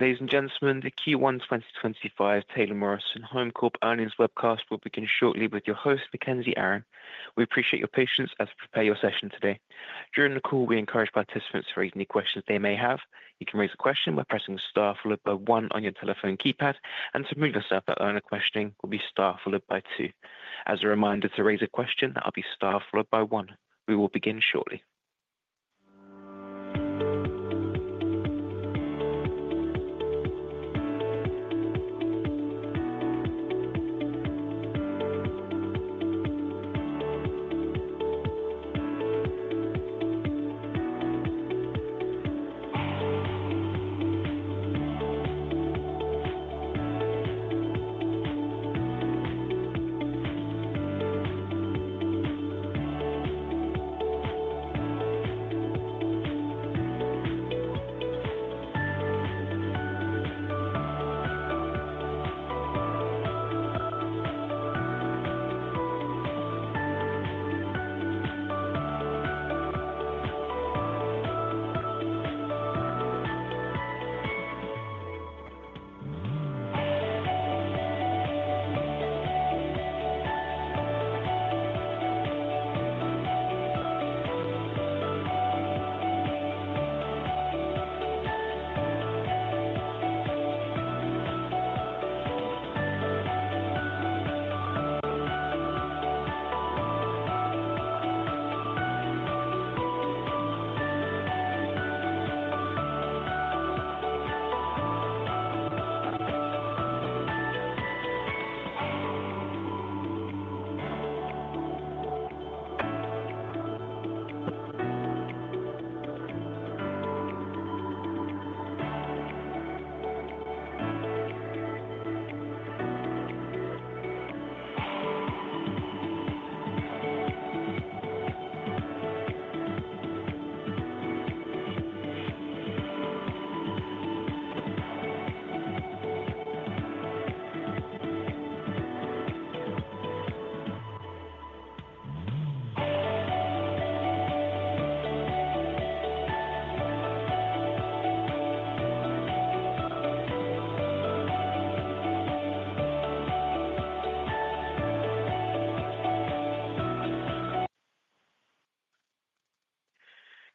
Ladies and gentlemen, the KeyOne 2025 Taylor Morrison Home earnings webcast will begin shortly with your host, Mackenzie Aron. We appreciate your patience as we prepare your session today. During the call, we encourage participants to raise any questions they may have. You can raise a question by pressing star followed by one on your telephone keypad, and to move yourself to earner questioning, will be star followed by two. As a reminder, to raise a question, that will be star followed by one. We will begin shortly.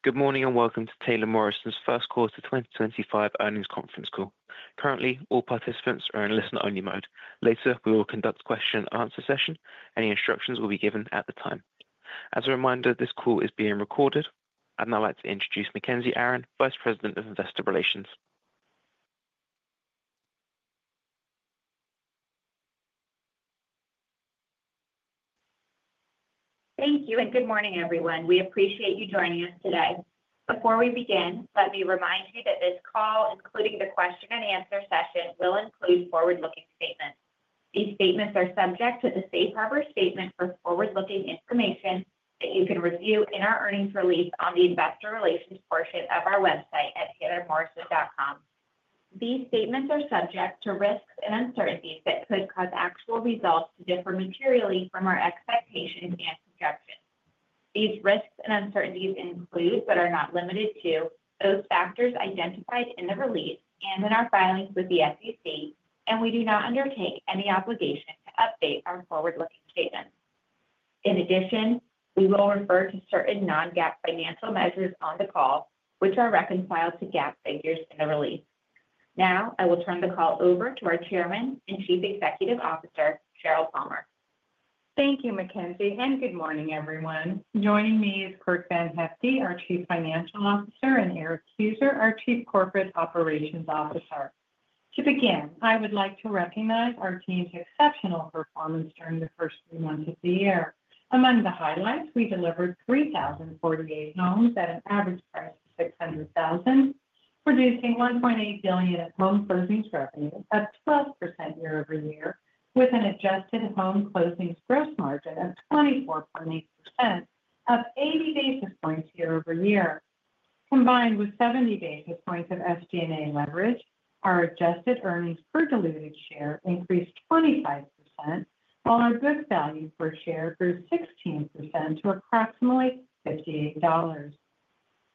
Good morning and welcome to Taylor Morrison's first quarter 2025 earnings conference call. Currently, all participants are in listen-only mode. Later, we will conduct a question-and-answer session. Any instructions will be given at the time. As a reminder, this call is being recorded, and I'd like to introduce Mackenzie Aron, Vice President of Investor Relations. Thank you and good morning, everyone. We appreciate you joining us today. Before we begin, let me remind you that this call, including the question-and-answer session, will include forward-looking statements. These statements are subject to the Safe Harbor Statement for forward-looking information that you can review in our earnings release on the Investor Relations portion of our website at taylormorrison.com. These statements are subject to risks and uncertainties that could cause actual results to differ materially from our expectations and projections. These risks and uncertainties include, but are not limited to, those factors identified in the release and in our filings with the SEC, and we do not undertake any obligation to update our forward-looking statements. In addition, we will refer to certain non-GAAP financial measures on the call, which are reconciled to GAAP figures in the release. Now, I will turn the call over to our Chairman and Chief Executive Officer, Sheryl Palmer. Thank you, Mackenzie, and good morning, everyone. Joining me is Curt VanHyfte, our Chief Financial Officer, and Erik Heuser, our Chief Corporate Operations Officer. To begin, I would like to recognize our team's exceptional performance during the first three months of the year. Among the highlights, we delivered 3,048 homes at an average price of $600,000, producing $1.8 billion of home closings revenue at 12% year-over-year, with an adjusted home closings gross margin of 24.8%, up 80 basis points year-over-year. Combined with 70 basis points of SG&A leverage, our adjusted earnings per diluted share increased 25%, while our book value per share grew 16% to approximately $58.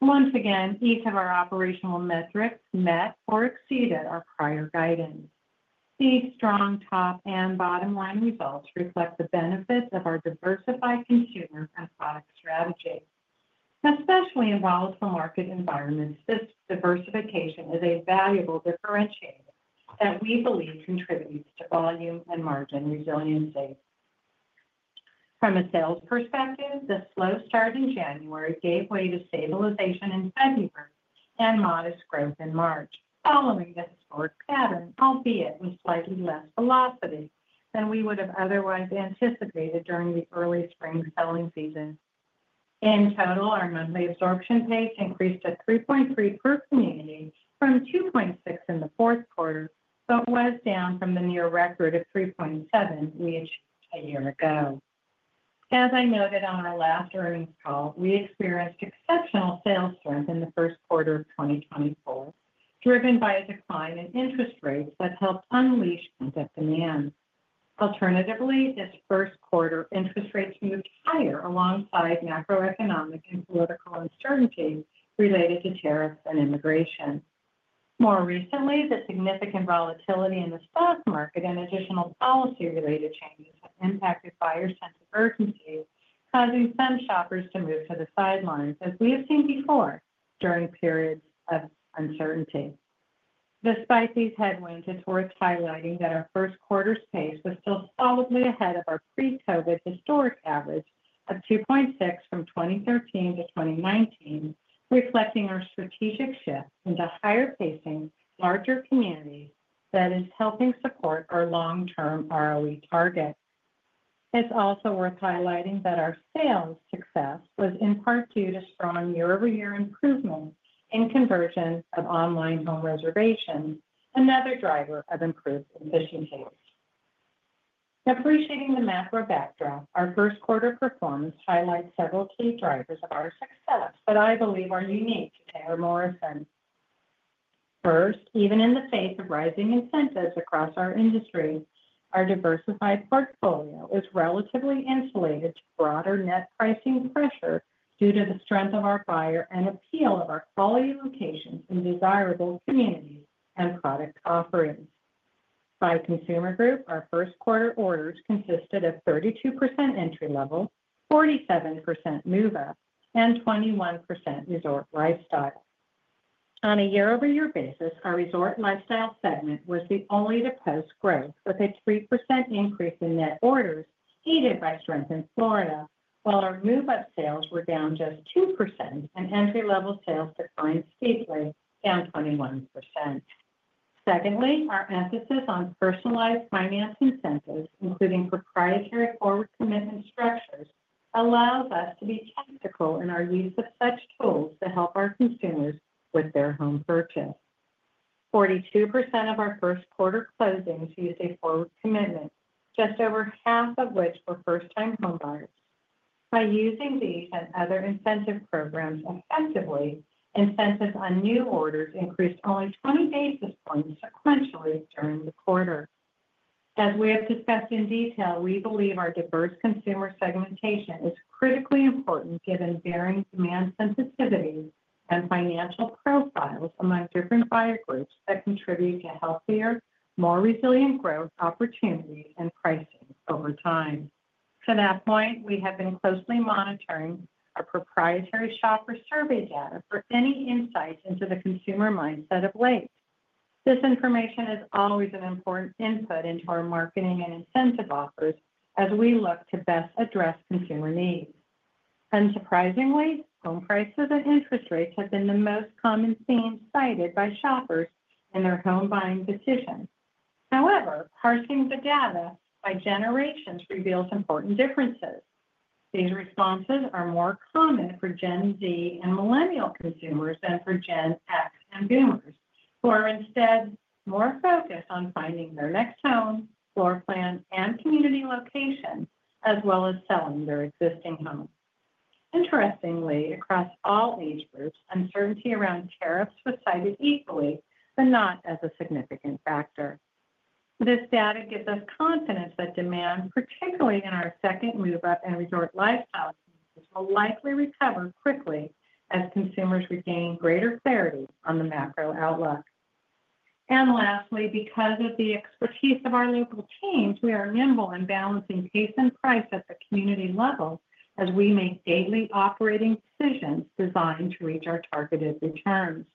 Once again, each of our operational metrics met or exceeded our prior guidance. These strong top and bottom line results reflect the benefits of our diversified consumer and product strategy. Especially in volatile market environments, this diversification is a valuable differentiator that we believe contributes to volume and margin resiliency. From a sales perspective, the slow start in January gave way to stabilization in February and modest growth in March, following the historic pattern, albeit with slightly less velocity than we would have otherwise anticipated during the early spring selling season. In total, our monthly absorption pace increased at 3.3 per community from 2.6 in the fourth quarter, but was down from the near record of 3.7 we achieved a year ago. As I noted on our last earnings call, we experienced exceptional sales strength in the first quarter of 2024, driven by a decline in interest rates that helped unleash rent at demand. Alternatively, this first quarter, interest rates moved higher alongside macroeconomic and political uncertainties related to tariffs and immigration. More recently, the significant volatility in the stock market and additional policy-related changes have impacted buyer sent urgency, causing some shoppers to move to the sidelines, as we have seen before during periods of uncertainty. Despite these headwinds, it's worth highlighting that our first quarter's pace was still solidly ahead of our pre-COVID historic average of 2.6 from 2013 to 2019, reflecting our strategic shift into higher pacing, larger communities that is helping support our long-term ROE target. It's also worth highlighting that our sales success was in part due to strong year-over-year improvements in conversion of online home reservations, another driver of improved efficiencies. Appreciating the macro backdrop, our first quarter performance highlights several key drivers of our success that I believe are unique to Taylor Morrison. First, even in the face of rising incentives across our industry, our diversified portfolio is relatively insulated to broader net pricing pressure due to the strength of our buyer and appeal of our quality locations in desirable communities and product offerings. By consumer group, our first quarter orders consisted of 32% entry level, 47% move-up, and 21% resort lifestyle. On a year-over-year basis, our resort lifestyle segment was the only to post growth, with a 3% increase in net orders aided by strength in Florida, while our move-up sales were down just 2% and entry-level sales declined steeply, down 21%. Secondly, our emphasis on personalized finance incentives, including proprietary forward commitment structures, allows us to be tactical in our use of such tools to help our consumers with their home purchase. 42% of our first quarter closings used a forward commitment, just over half of which were first-time home buyers. By using these and other incentive programs effectively, incentives on new orders increased only 20 basis points sequentially during the quarter. As we have discussed in detail, we believe our diverse consumer segmentation is critically important given varying demand sensitivities and financial profiles among different buyer groups that contribute to healthier, more resilient growth opportunities and pricing over time. To that point, we have been closely monitoring our proprietary shopper survey data for any insight into the consumer mindset of late. This information is always an important input into our marketing and incentive offers as we look to best address consumer needs. Unsurprisingly, home prices and interest rates have been the most common themes cited by shoppers in their home buying decisions. However, parsing the data by generations reveals important differences. These responses are more common for Gen Z and millennial consumers than for Gen X and boomers, who are instead more focused on finding their next home, floor plan, and community location, as well as selling their existing home. Interestingly, across all age groups, uncertainty around tariffs was cited equally, but not as a significant factor. This data gives us confidence that demand, particularly in our second move-up and resort lifestyle, will likely recover quickly as consumers regain greater clarity on the macro outlook. Lastly, because of the expertise of our local teams, we are nimble in balancing pace and price at the community level as we make daily operating decisions designed to reach our targeted returns.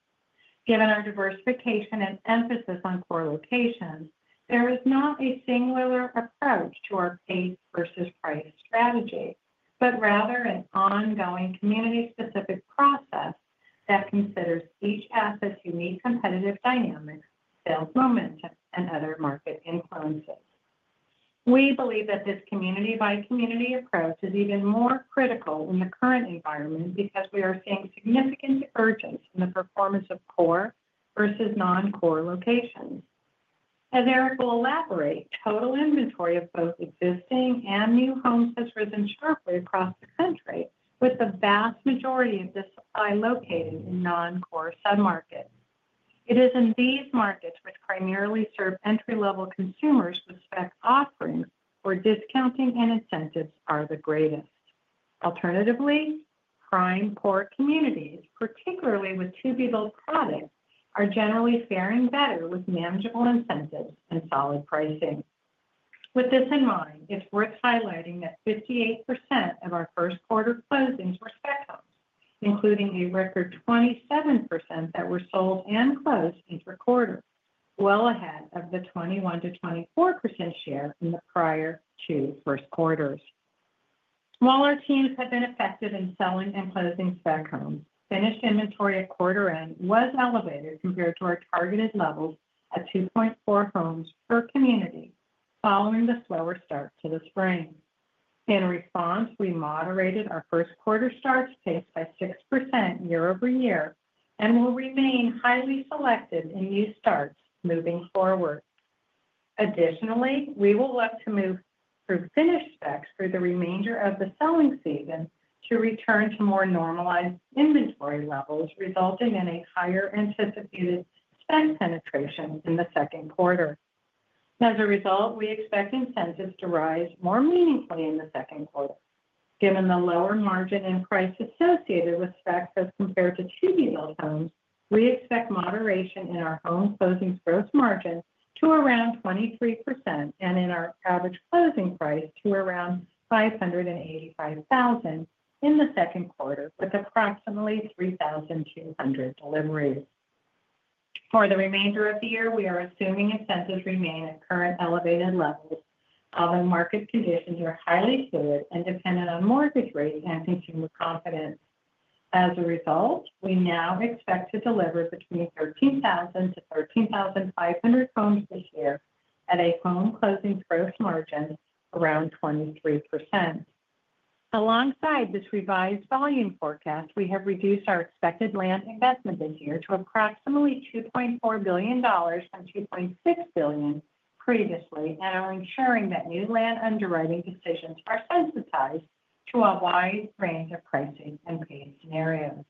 Given our diversification and emphasis on core locations, there is not a singular approach to our pace versus price strategy, but rather an ongoing community-specific process that considers each asset's unique competitive dynamics, sales momentum, and other market influences. We believe that this community-by-community approach is even more critical in the current environment because we are seeing significant divergence in the performance of core versus non-core locations. As Erik will elaborate, total inventory of both existing and new homes has risen sharply across the country, with the vast majority of this supply located in non-core submarkets. It is in these markets which primarily serve entry-level consumers with spec offerings where discounting and incentives are the greatest. Alternatively, prime core communities, particularly with to-be-built products, are generally faring better with manageable incentives and solid pricing. With this in mind, it's worth highlighting that 58% of our first quarter closings were spec homes, including a record 27% that were sold and closed interquarters, well ahead of the 21%-24% share in the prior two first quarters. While our teams have been effective in selling and closing spec homes, finished inventory at quarter end was elevated compared to our targeted levels at 2.4 homes per community, following the slower start to the spring. In response, we moderated our first quarter starts pace by 6% year-over-year and will remain highly selective in new starts moving forward. Additionally, we will look to move through finished specs through the remainder of the selling season to return to more normalized inventory levels, resulting in a higher anticipated spec penetration in the second quarter. As a result, we expect incentives to rise more meaningfully in the second quarter. Given the lower margin and price associated with specs as compared to to-be-built homes, we expect moderation in our home closings gross margin to around 23% and in our average closing price to around $585,000 in the second quarter with approximately 3,200 deliveries. For the remainder of the year, we are assuming incentives remain at current elevated levels, although market conditions are highly fluid and dependent on mortgage rates and consumer confidence. As a result, we now expect to deliver between 13,000-13,500 homes this year at a home closings gross margin around 23%. Alongside this revised volume forecast, we have reduced our expected land investment this year to approximately $2.4 billion from $2.6 billion previously and are ensuring that new land underwriting decisions are sensitized to a wide range of pricing and pace scenarios.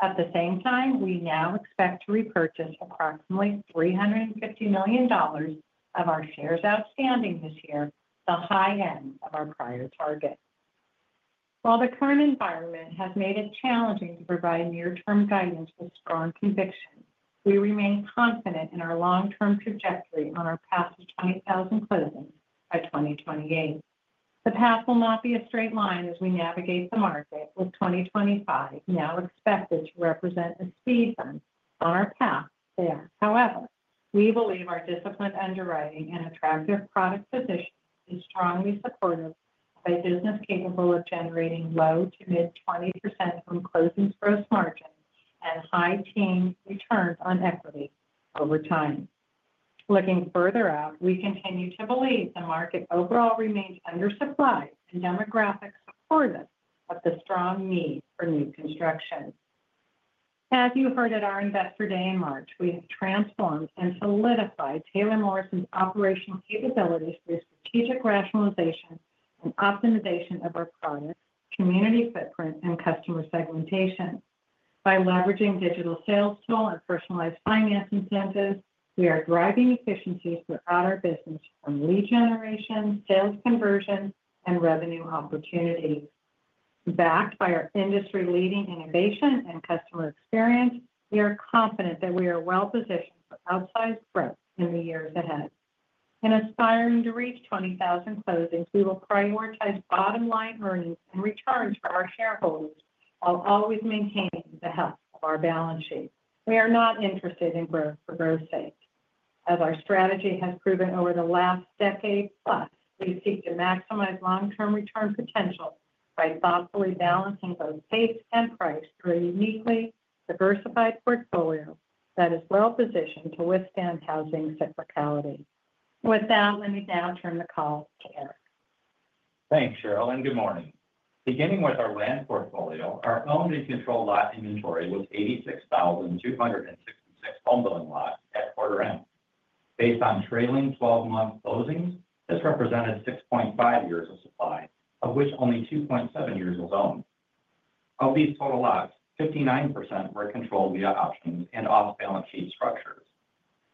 At the same time, we now expect to repurchase approximately $350 million of our shares outstanding this year, the high end of our prior target. While the current environment has made it challenging to provide near-term guidance with strong conviction, we remain confident in our long-term trajectory on our path to 20,000 closings by 2028. The path will not be a straight line as we navigate the market, with 2025 now expected to represent a speedrun on our path there. However, we believe our disciplined underwriting and attractive product position is strongly supported by business capable of generating low to mid-20% home closings gross margin and high team returns on equity over time. Looking further out, we continue to believe the market overall remains undersupplied and demographically supportive of the strong need for new construction. As you heard at our investor day in March, we have transformed and solidified Taylor Morrison's operational capabilities through strategic rationalization and optimization of our product, community footprint, and customer segmentation. By leveraging digital sales tools and personalized finance incentives, we are driving efficiencies throughout our business from lead generation, sales conversion, and revenue opportunities. Backed by our industry-leading innovation and customer experience, we are confident that we are well-positioned for upsized growth in the years ahead. In aspiring to reach 20,000 closings, we will prioritize bottom line earnings and returns for our shareholders while always maintaining the health of our balance sheet. We are not interested in growth for growth's sake. As our strategy has proven over the last decade plus, we seek to maximize long-term return potential by thoughtfully balancing both pace and price through a uniquely diversified portfolio that is well-positioned to withstand housing cyclicality. With that, let me now turn the call to Erik. Thanks, Sheryl, and good morning. Beginning with our land portfolio, our owned and controlled lot inventory was 86,266 home-building lots at quarter end. Based on trailing 12-month closings, this represented 6.5 years of supply, of which only 2.7 years was owned. Of these total lots, 59% were controlled via options and off-balance sheet structures,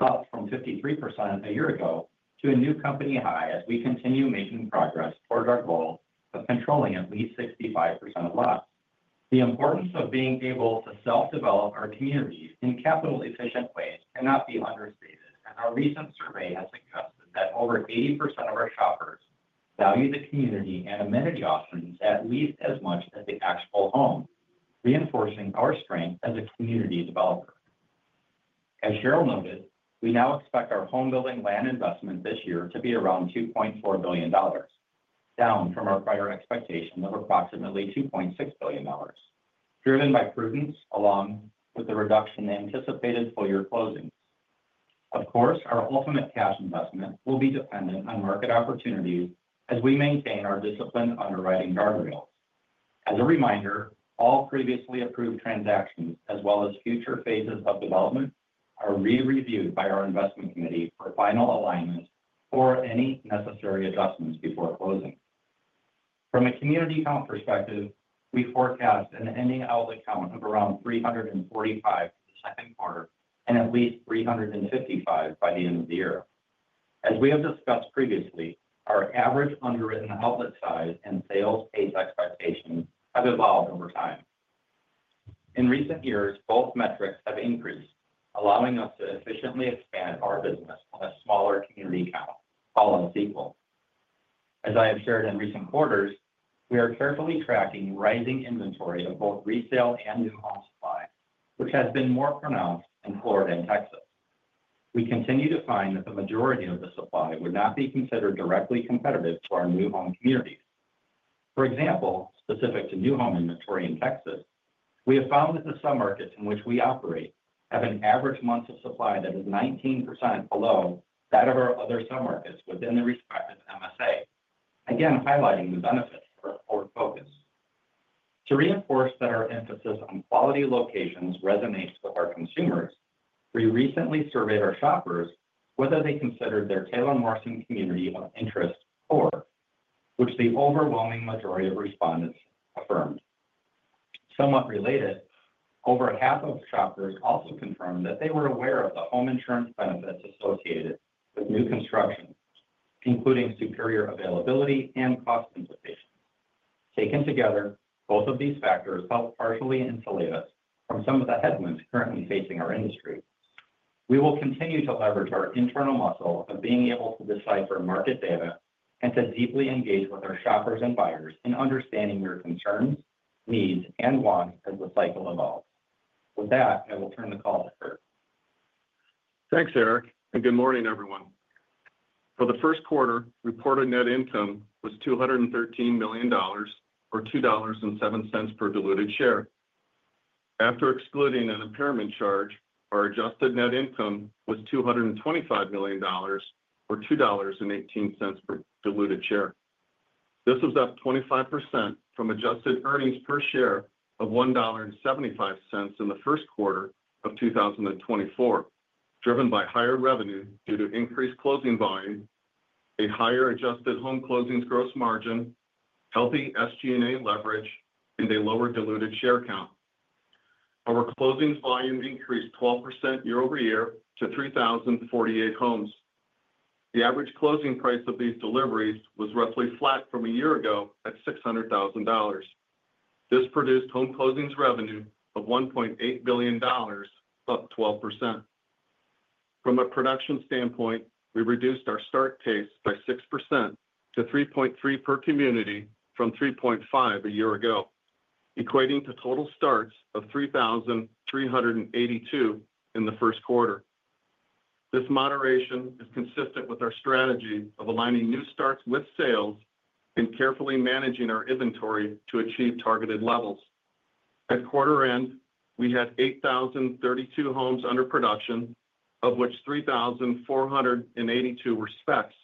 up from 53% a year ago to a new company high as we continue making progress toward our goal of controlling at least 65% of lots. The importance of being able to self-develop our communities in capital-efficient ways cannot be understated, and our recent survey has suggested that over 80% of our shoppers value the community and amenity options at least as much as the actual home, reinforcing our strength as a community developer. As Sheryl noted, we now expect our home-building land investment this year to be around $2.4 billion, down from our prior expectation of approximately $2.6 billion, driven by prudence along with the reduction in anticipated full-year closings. Of course, our ultimate cash investment will be dependent on market opportunities as we maintain our disciplined underwriting guardrails. As a reminder, all previously approved transactions, as well as future phases of development, are re-reviewed by our investment committee for final alignment or any necessary adjustments before closing. From a community count perspective, we forecast an ending outlet count of around 345 for the second quarter and at least 355 by the end of the year. As we have discussed previously, our average underwritten outlet size and sales pace expectations have evolved over time. In recent years, both metrics have increased, allowing us to efficiently expand our business on a smaller community count, calling sequel. As I have shared in recent quarters, we are carefully tracking rising inventory of both resale and new home supply, which has been more pronounced in Florida and Texas. We continue to find that the majority of the supply would not be considered directly competitive to our new home communities. For example, specific to new home inventory in Texas, we have found that the submarkets in which we operate have an average month of supply that is 19% below that of our other submarkets within the respective MSA, again highlighting the benefits of our core focus. To reinforce that our emphasis on quality locations resonates with our consumers, we recently surveyed our shoppers whether they considered their Taylor Morrison community of interest core, which the overwhelming majority of respondents affirmed. Somewhat related, over half of shoppers also confirmed that they were aware of the home insurance benefits associated with new construction, including superior availability and cost implications. Taken together, both of these factors help partially insulate us from some of the headwinds currently facing our industry. We will continue to leverage our internal muscle of being able to decipher market data and to deeply engage with our shoppers and buyers in understanding their concerns, needs, and wants as the cycle evolves. With that, I will turn the call to Curt. Thanks, Erik, and good morning, everyone. For the first quarter, reported net income was $213 million, or $2.07 per diluted share. After excluding an impairment charge, our adjusted net income was $225 million, or $2.18 per diluted share. This was up 25% from adjusted earnings per share of $1.75 in the first quarter of 2024, driven by higher revenue due to increased closing volume, a higher adjusted home closings gross margin, healthy SG&A leverage, and a lower diluted share count. Our closings volume increased 12% year-over-year to 3,048 homes. The average closing price of these deliveries was roughly flat from a year ago at $600,000. This produced home closings revenue of $1.8 billion, up 12%. From a production standpoint, we reduced our start pace by 6% to 3.3 per community from 3.5 a year ago, equating to total starts of 3,382 in the first quarter. This moderation is consistent with our strategy of aligning new starts with sales and carefully managing our inventory to achieve targeted levels. At quarter end, we had 8,032 homes under production, of which 3,482 were specs,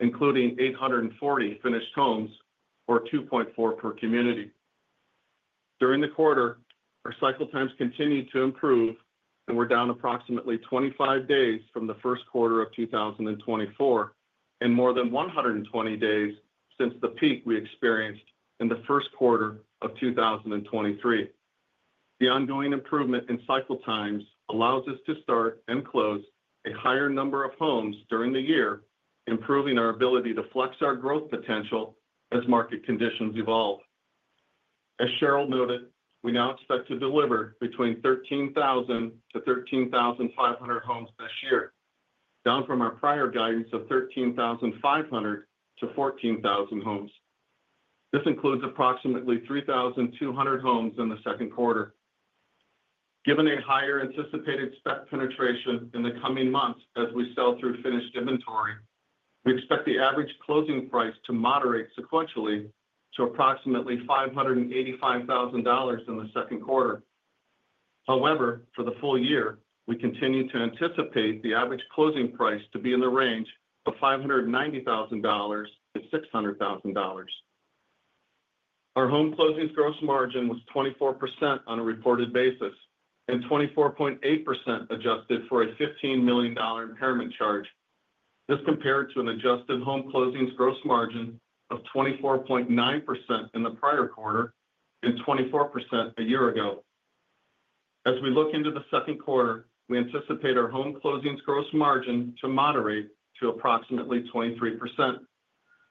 including 840 finished homes, or 2.4 per community. During the quarter, our cycle times continued to improve, and we're down approximately 25 days from the first quarter of 2024 and more than 120 days since the peak we experienced in the first quarter of 2023. The ongoing improvement in cycle times allows us to start and close a higher number of homes during the year, improving our ability to flex our growth potential as market conditions evolve. As Sheryl noted, we now expect to deliver between 13,000-13,500 homes this year, down from our prior guidance of 13,500-14,000 homes. This includes approximately 3,200 homes in the second quarter. Given a higher anticipated spec penetration in the coming months as we sell through finished inventory, we expect the average closing price to moderate sequentially to approximately $585,000 in the second quarter. However, for the full year, we continue to anticipate the average closing price to be in the range of $590,000-$600,000. Our home closings gross margin was 24% on a reported basis, and 24.8% adjusted for a $15 million impairment charge. This compared to an adjusted home closings gross margin of 24.9% in the prior quarter and 24% a year ago. As we look into the second quarter, we anticipate our home closings gross margin to moderate to approximately 23%.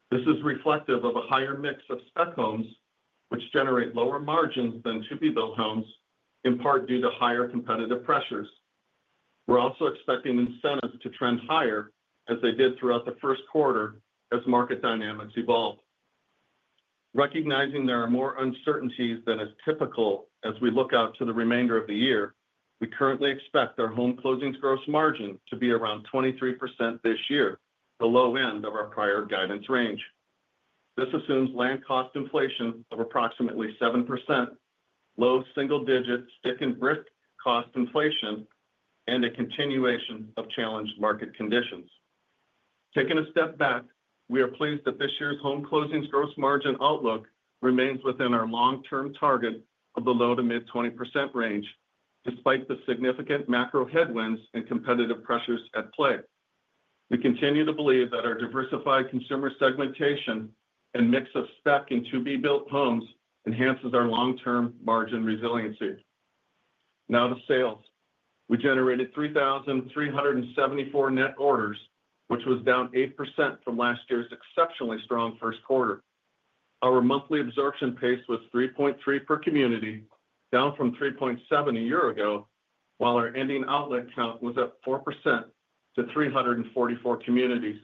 This is reflective of a higher mix of spec homes, which generate lower margins than to-be-built homes, in part due to higher competitive pressures. We're also expecting incentives to trend higher as they did throughout the first quarter as market dynamics evolved. Recognizing there are more uncertainties than is typical as we look out to the remainder of the year, we currently expect our home closings gross margin to be around 23% this year, the low end of our prior guidance range. This assumes land cost inflation of approximately 7%, low single-digit stick-and-brick cost inflation, and a continuation of challenged market conditions. Taking a step back, we are pleased that this year's home closings gross margin outlook remains within our long-term target of the low to mid-20% range, despite the significant macro headwinds and competitive pressures at play. We continue to believe that our diversified consumer segmentation and mix of spec and to-be-built homes enhances our long-term margin resiliency. Now to sales. We generated 3,374 net orders, which was down 8% from last year's exceptionally strong first quarter. Our monthly absorption pace was 3.3 per community, down from 3.7 a year ago, while our ending outlet count was up 4% to 344 communities.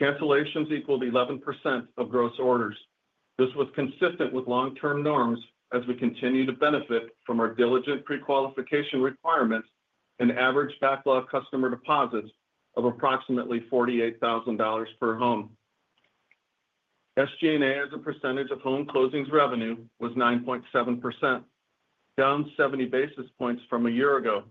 Cancellations equaled 11% of gross orders. This was consistent with long-term norms as we continue to benefit from our diligent prequalification requirements and average backlog customer deposits of approximately $48,000 per home. SG&A as a percentage of home closings revenue was 9.7%, down 70 basis points from a year ago.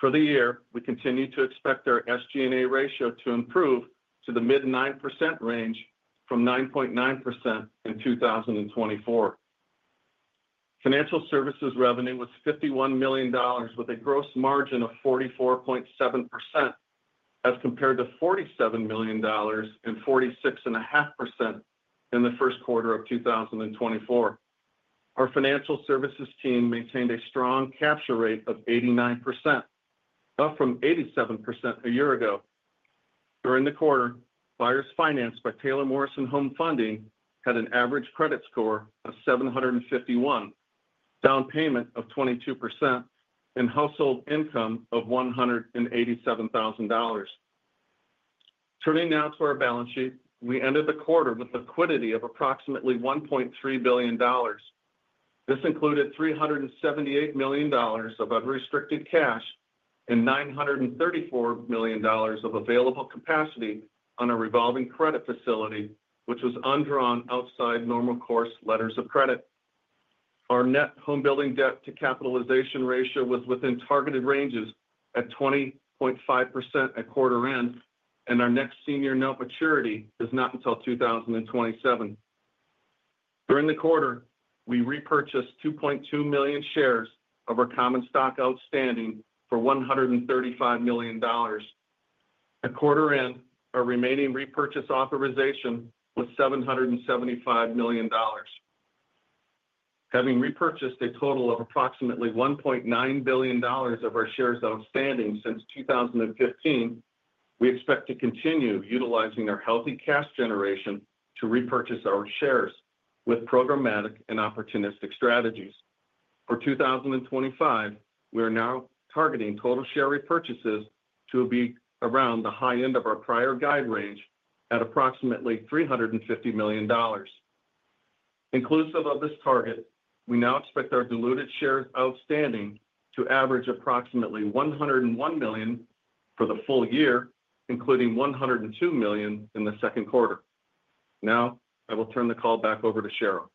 For the year, we continue to expect our SG&A ratio to improve to the mid-9% range from 9.9% in 2024. Financial services revenue was $51 million, with a gross margin of 44.7% as compared to $47 million and 46.5% in the first quarter of 2024. Our financial services team maintained a strong capture rate of 89%, up from 87% a year ago. During the quarter, buyers financed by Taylor Morrison Home Funding had an average credit score of 751, down payment of 22%, and household income of $187,000. Turning now to our balance sheet, we ended the quarter with liquidity of approximately $1.3 billion. This included $378 million of unrestricted cash and $934 million of available capacity on a revolving credit facility, which was undrawn outside normal course letters of credit. Our net home-building debt-to-capitalization ratio was within targeted ranges at 20.5% at quarter end, and our next senior note maturity is not until 2027. During the quarter, we repurchased 2.2 million shares of our common stock outstanding for $135 million. At quarter end, our remaining repurchase authorization was $775 million. Having repurchased a total of approximately $1.9 billion of our shares outstanding since 2015, we expect to continue utilizing our healthy cash generation to repurchase our shares with programmatic and opportunistic strategies. For 2025, we are now targeting total share repurchases to be around the high end of our prior guide range at approximately $350 million. Inclusive of this target, we now expect our diluted shares outstanding to average approximately 101 million for the full year, including 102 million in the second quarter. Now, I will turn the call back over to Sheryl.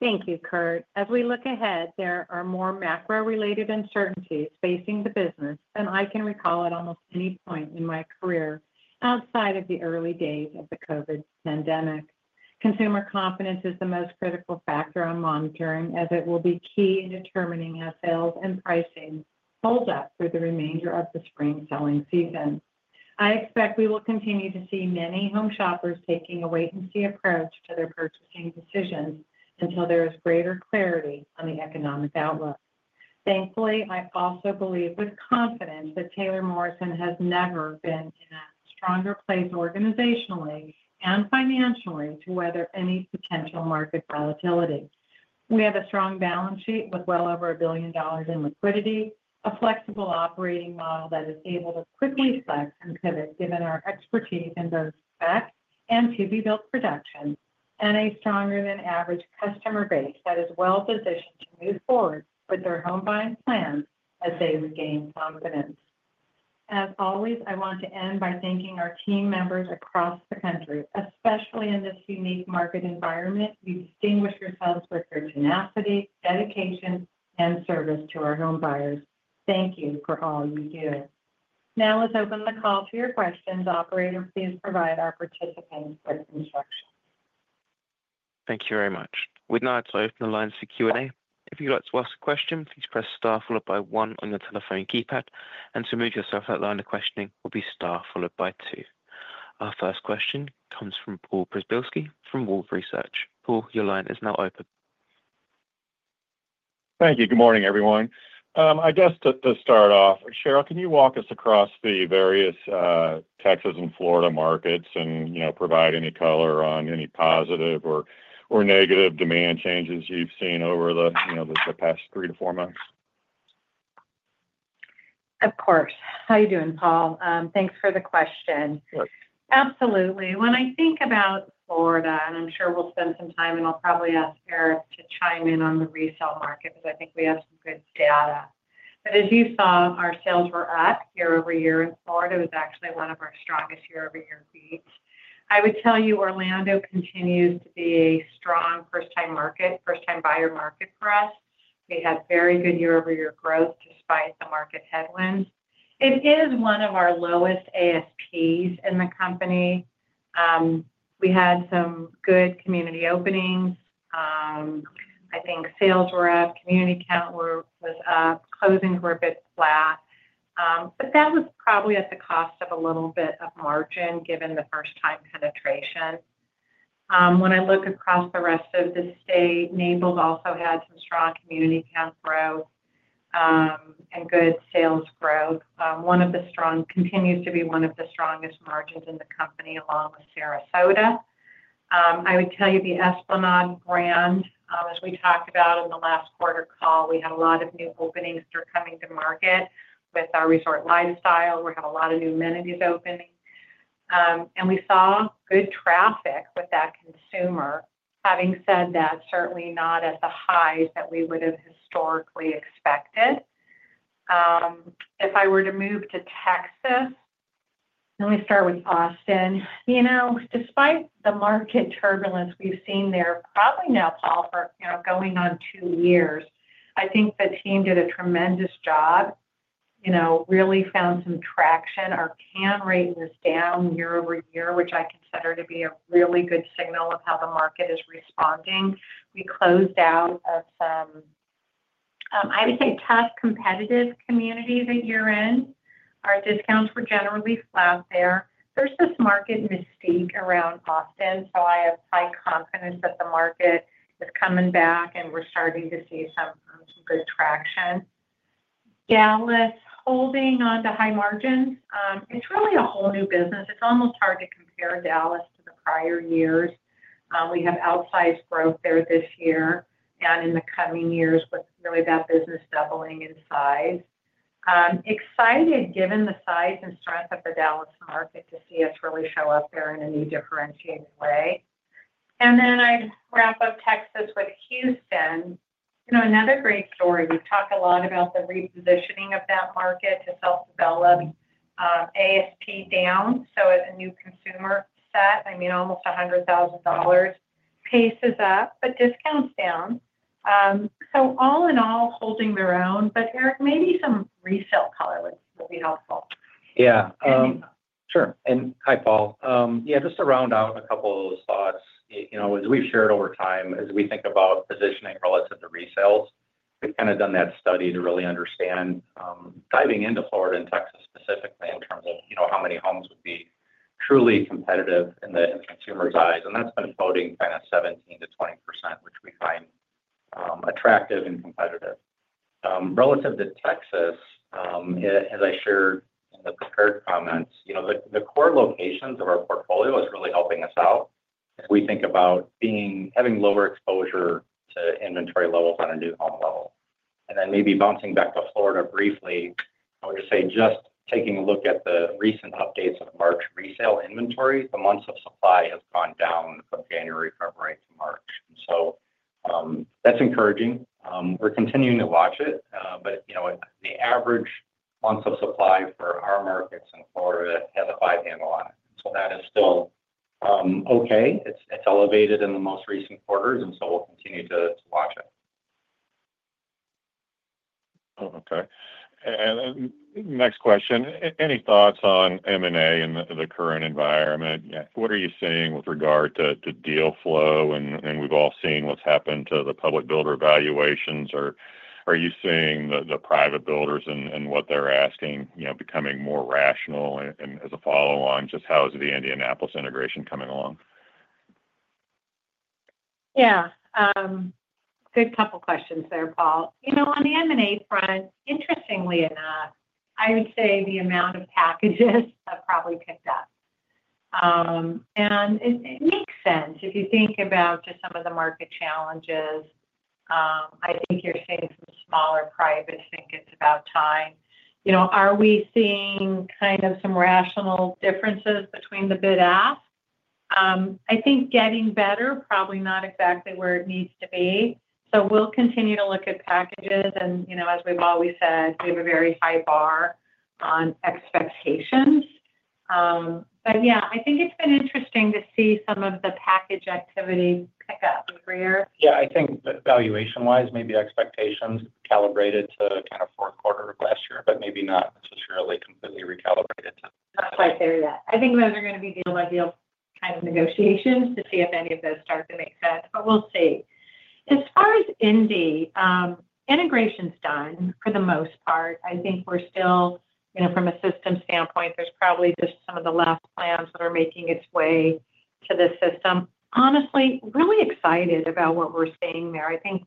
Thank you, Curt. As we look ahead, there are more macro-related uncertainties facing the business than I can recall at almost any point in my career outside of the early days of the COVID pandemic. Consumer confidence is the most critical factor I'm monitoring, as it will be key in determining how sales and pricing hold up through the remainder of the spring selling season. I expect we will continue to see many home shoppers taking a wait-and-see approach to their purchasing decisions until there is greater clarity on the economic outlook. Thankfully, I also believe with confidence that Taylor Morrison has never been in a stronger place organizationally and financially to weather any potential market volatility. We have a strong balance sheet with well over $1 billion in liquidity, a flexible operating model that is able to quickly flex and pivot given our expertise in both spec and to-be-built production, and a stronger-than-average customer base that is well-positioned to move forward with their home buying plans as they regain confidence. As always, I want to end by thanking our team members across the country, especially in this unique market environment. You distinguish yourselves with your tenacity, dedication, and service to our home buyers. Thank you for all you do. Now, let's open the call to your questions. Operator, please provide our participants with instructions. Thank you very much. With that, I'll open the line for Q&A. If you'd like to ask a question, please press star followed by one on your telephone keypad, and to move yourself out of the questioning, it will be star followed by two. Our first question comes from Paul Przybylski from Wolfe Research. Paul, your line is now open. Thank you. Good morning, everyone. I guess to start off, Sheryl, can you walk us across the various Texas and Florida markets and provide any color on any positive or negative demand changes you've seen over the past three to four months? Of course. How are you doing, Paul? Thanks for the question. Absolutely. When I think about Florida, and I'm sure we'll spend some time, and I'll probably ask Erik to chime in on the resale market because I think we have some good data. As you saw, our sales were up year over year, and Florida was actually one of our strongest year-over-year beats. I would tell you Orlando continues to be a strong first-time market, first-time buyer market for us. We had very good year-over-year growth despite the market headwinds. It is one of our lowest ASPs in the company. We had some good community openings. I think sales were up. Community count was up. Closings were a bit flat. That was probably at the cost of a little bit of margin given the first-time penetration. When I look across the rest of the state, Naples also had some strong community count growth and good sales growth. One of the strong continues to be one of the strongest margins in the company along with Sarasota. I would tell you the Esplanade Grand, as we talked about in the last quarter call, we had a lot of new openings that are coming to market with our resort lifestyle. We had a lot of new amenities opening. We saw good traffic with that consumer. Having said that, certainly not at the highs that we would have historically expected. If I were to move to Texas, let me start with Austin. Despite the market turbulence we've seen there probably now, Paul, for going on two years, I think the team did a tremendous job, really found some traction. Our rate was down year-over-year, which I consider to be a really good signal of how the market is responding. We closed out of some, I would say, tough competitive community that you're in. Our discounts were generally flat there. There's this market mystique around Austin, so I have high confidence that the market is coming back and we're starting to see some good traction. Dallas, holding on to high margins. It's really a whole new business. It's almost hard to compare Dallas to the prior years. We have outsized growth there this year and in the coming years with really that business doubling in size. Excited given the size and strength of the Dallas market to see us really show up there in a new differentiated way. I would wrap up Texas with Houston. Another great story. We've talked a lot about the repositioning of that market to self-develop. ASP down, so as a new consumer set, I mean, almost $100,000 paces up, but discounts down. All in all, holding their own. Erik, maybe some resale color would be helpful. Yeah. Sure. Hi, Paul. Just to round out a couple of those thoughts, as we've shared over time as we think about positioning relative to resales, we've kind of done that study to really understand diving into Florida and Texas specifically in terms of how many homes would be truly competitive in the consumer's eyes. That's been floating kind of 17%-20%, which we find attractive and competitive. Relative to Texas, as I shared in the prepared comments, the core locations of our portfolio are really helping us out if we think about having lower exposure to inventory levels on a new home level. Maybe bouncing back to Florida briefly, I would just say just taking a look at the recent updates of March resale inventory, the months of supply have gone down from January, February, to March. That's encouraging. We're continuing to watch it, but the average months of supply for our markets in Florida has a five-handle on it. That is still okay. It's elevated in the most recent quarters, and we'll continue to watch it. Okay. Next question, any thoughts on M&A in the current environment? What are you seeing with regard to deal flow? We've all seen what's happened to the public builder valuations. Are you seeing the private builders and what they're asking becoming more rational? As a follow-on, just how is the Indianapolis integration coming along? Yeah. Good couple of questions there, Paul. On the M&A front, interestingly enough, I would say the amount of packages have probably picked up. It makes sense if you think about just some of the market challenges. I think you're seeing some smaller privates think it's about time. Are we seeing kind of some rational differences between the bid-ask? I think getting better, probably not exactly where it needs to be. We'll continue to look at packages. As we've always said, we have a very high bar on expectations. Yeah, I think it's been interesting to see some of the package activity pick up. I think valuation-wise, maybe expectations calibrated to kind of fourth quarter of last year, but maybe not necessarily completely recalibrated. Not quite there yet. I think those are going to be deal-by-deal kind of negotiations to see if any of those start to make sense, but we'll see. As far as Indy, integration's done for the most part. I think we're still, from a system standpoint, there's probably just some of the last plans that are making its way to the system. Honestly, really excited about what we're seeing there. I think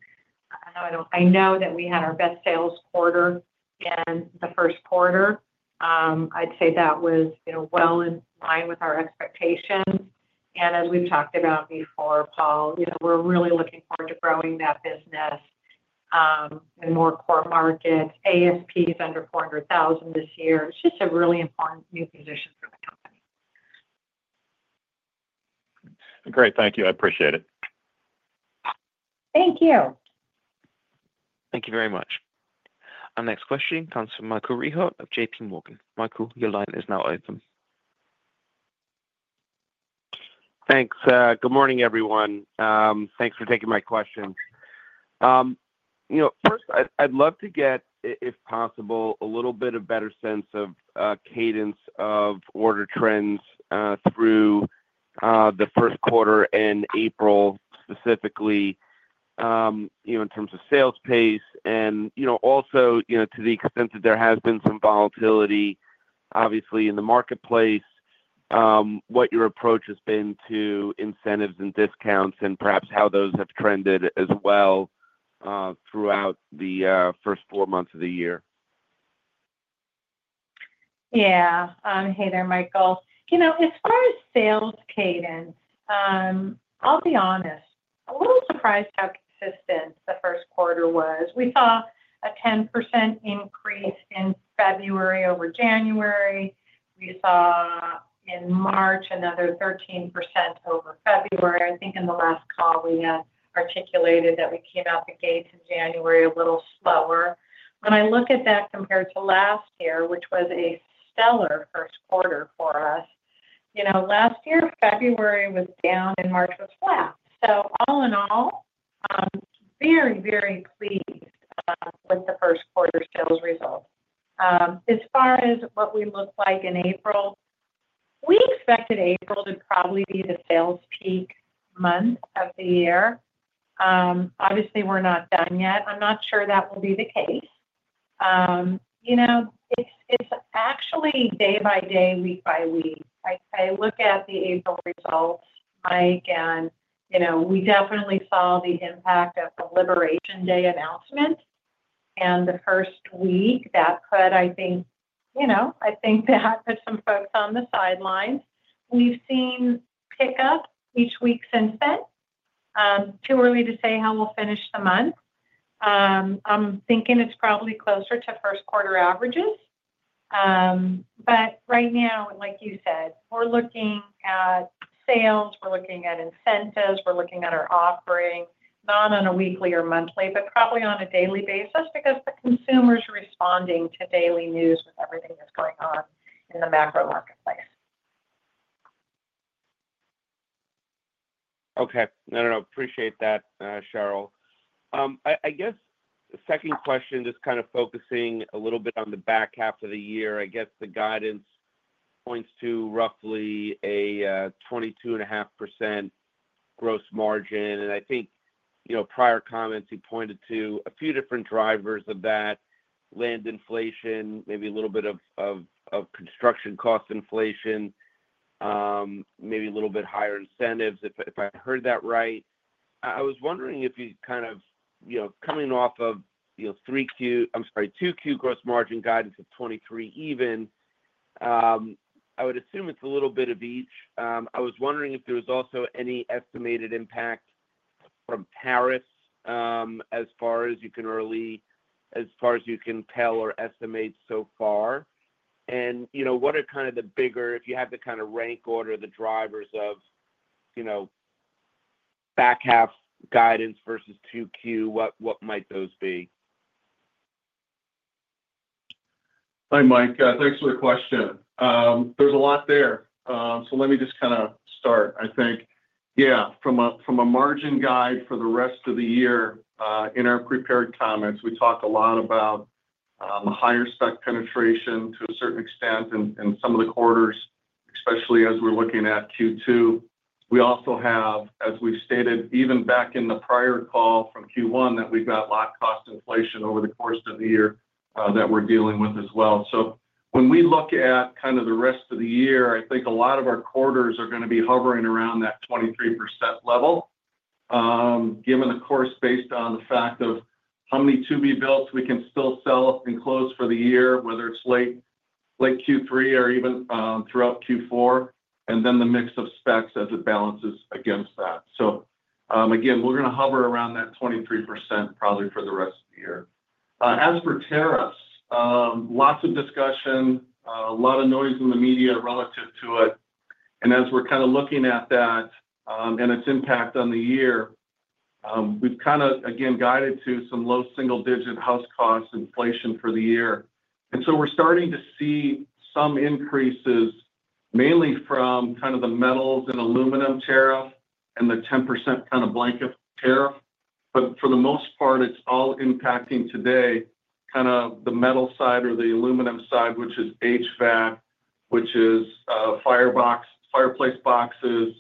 I know that we had our best sales quarter in the first quarter. I'd say that was well in line with our expectations. As we have talked about before, Paul, we are really looking forward to growing that business in more core markets. ASP is under $400,000 this year. It is just a really important new position for the company. Great. Thank you. I appreciate it. Thank you. Thank you very much. Our next question comes from Michael Rehaut of JPMorgan. Michael, your line is now open. Thanks. Good morning, everyone. Thanks for taking my questions. First, I would love to get, if possible, a little bit of better sense of cadence of order trends through the first quarter and April, specifically in terms of sales pace. Also, to the extent that there has been some volatility, obviously, in the marketplace, what your approach has been to incentives and discounts and perhaps how those have trended as well throughout the first four months of the year. Yeah. Hey there, Michael. As far as sales cadence, I'll be honest, a little surprised how consistent the first quarter was. We saw a 10% increase in February over January. We saw in March another 13% over February. I think in the last call, we had articulated that we came out the gates in January a little slower. When I look at that compared to last year, which was a stellar first quarter for us, last year, February was down and March was flat. All in all, very, very pleased with the first quarter sales results. As far as what we look like in April, we expected April to probably be the sales peak month of the year. Obviously, we're not done yet. I'm not sure that will be the case. It's actually day by day, week by week. I look at the April results, Mike, and we definitely saw the impact of the Liberation Day announcement. In the first week, that put, I think, I think that put some folks on the sidelines. We've seen pickup each week since then. Too early to say how we'll finish the month. I'm thinking it's probably closer to first quarter averages. Right now, like you said, we're looking at sales, we're looking at incentives, we're looking at our offering, not on a weekly or monthly, but probably on a daily basis because the consumer's responding to daily news with everything that's going on in the macro marketplace. Okay. No, no, no. Appreciate that, Sheryl. I guess second question, just kind of focusing a little bit on the back half of the year. I guess the guidance points to roughly a 22.5% gross margin. I think prior comments, you pointed to a few different drivers of that: land inflation, maybe a little bit of construction cost inflation, maybe a little bit higher incentives, if I heard that right. I was wondering if you kind of coming off of 3Q, I'm sorry, 2Q gross margin guidance of 23 even, I would assume it's a little bit of each. I was wondering if there was also any estimated impact from Paris as far as you can tell or estimate so far. What are kind of the bigger, if you have to kind of rank order the drivers of back half guidance versus 2Q, what might those be? Hi, Mike. Thanks for the question. There's a lot there. Let me just kind of start. I think, yeah, from a margin guide for the rest of the year in our prepared comments, we talked a lot about higher spec penetration to a certain extent in some of the quarters, especially as we're looking at Q2. We also have, as we've stated, even back in the prior call from Q1, that we've got lot cost inflation over the course of the year that we're dealing with as well. When we look at kind of the rest of the year, I think a lot of our quarters are going to be hovering around that 23% level, given the course based on the fact of how many to-be-builts we can still sell and close for the year, whether it's late Q3 or even throughout Q4, and then the mix of specs as it balances against that. We're going to hover around that 23% probably for the rest of the year. As for tariffs, lots of discussion, a lot of noise in the media relative to it. As we're kind of looking at that and its impact on the year, we've kind of, again, guided to some low single-digit house cost inflation for the year. We're starting to see some increases, mainly from the metals and aluminum tariff and the 10% blanket tariff. For the most part, it's all impacting today the metal side or the aluminum side, which is HVAC, which is fireplace boxes,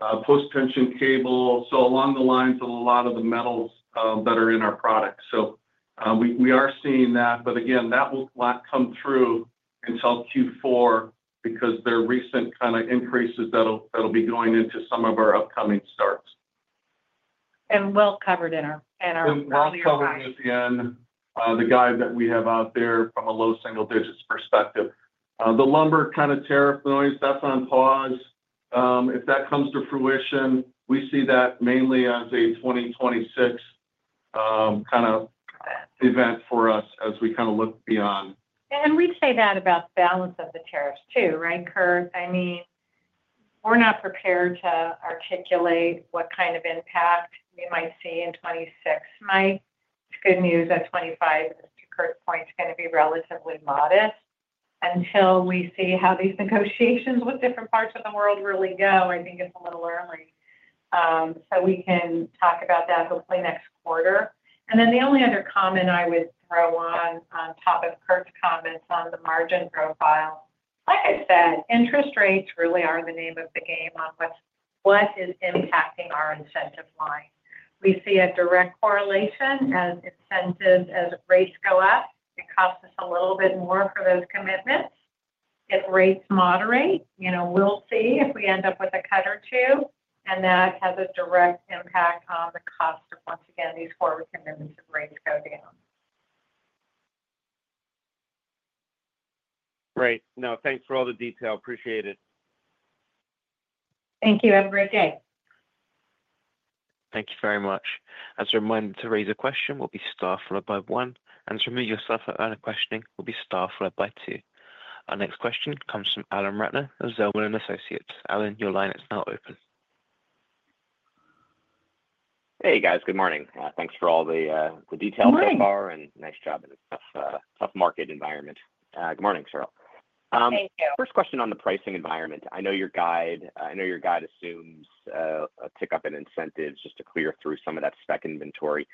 post-tension cable, so along the lines of a lot of the metals that are in our products. We are seeing that. That will not come through until Q4 because there are recent kind of increases that'll be going into some of our upcoming starts. It was covered in our earlier comments. It was covered within the guide that we have out there from a low single-digit perspective. The lumber kind of tariff noise, that's on pause. If that comes to fruition, we see that mainly as a 2026 kind of event for us as we look beyond. We would say that about the balance of the tariffs too, right, Curt? I mean, we're not prepared to articulate what kind of impact we might see in 2026, Mike. It is good news that 2025, to Curt's point, is going to be relatively modest. Until we see how these negotiations with different parts of the world really go, I think it's a little early. We can talk about that hopefully next quarter. The only other comment I would throw on top of Curt's comments on the margin profile, like I said, interest rates really are the name of the game on what is impacting our incentive line. We see a direct correlation as incentives, as rates go up, it costs us a little bit more for those commitments. If rates moderate, we'll see if we end up with a cut or two, and that has a direct impact on the cost of, once again, these forward commitments if rates go down. Great. No, thanks for all the detail. Appreciate it. Thank you. Have a great day. Thank you very much. As a reminder, to raise a question, we'll be staffed followed by one. To remove yourself out of questioning, we'll be staffed followed by two. Our next question comes from Alan Ratner of Zelman & Associates. Alan, your line is now open. Hey, guys. Good morning. Thanks for all the details so far and nice job in a tough market environment. Good morning, Sheryl. Thank you. First question on the pricing environment. I know your guide assumes a tick up in incentives just to clear through some of that spec inventory.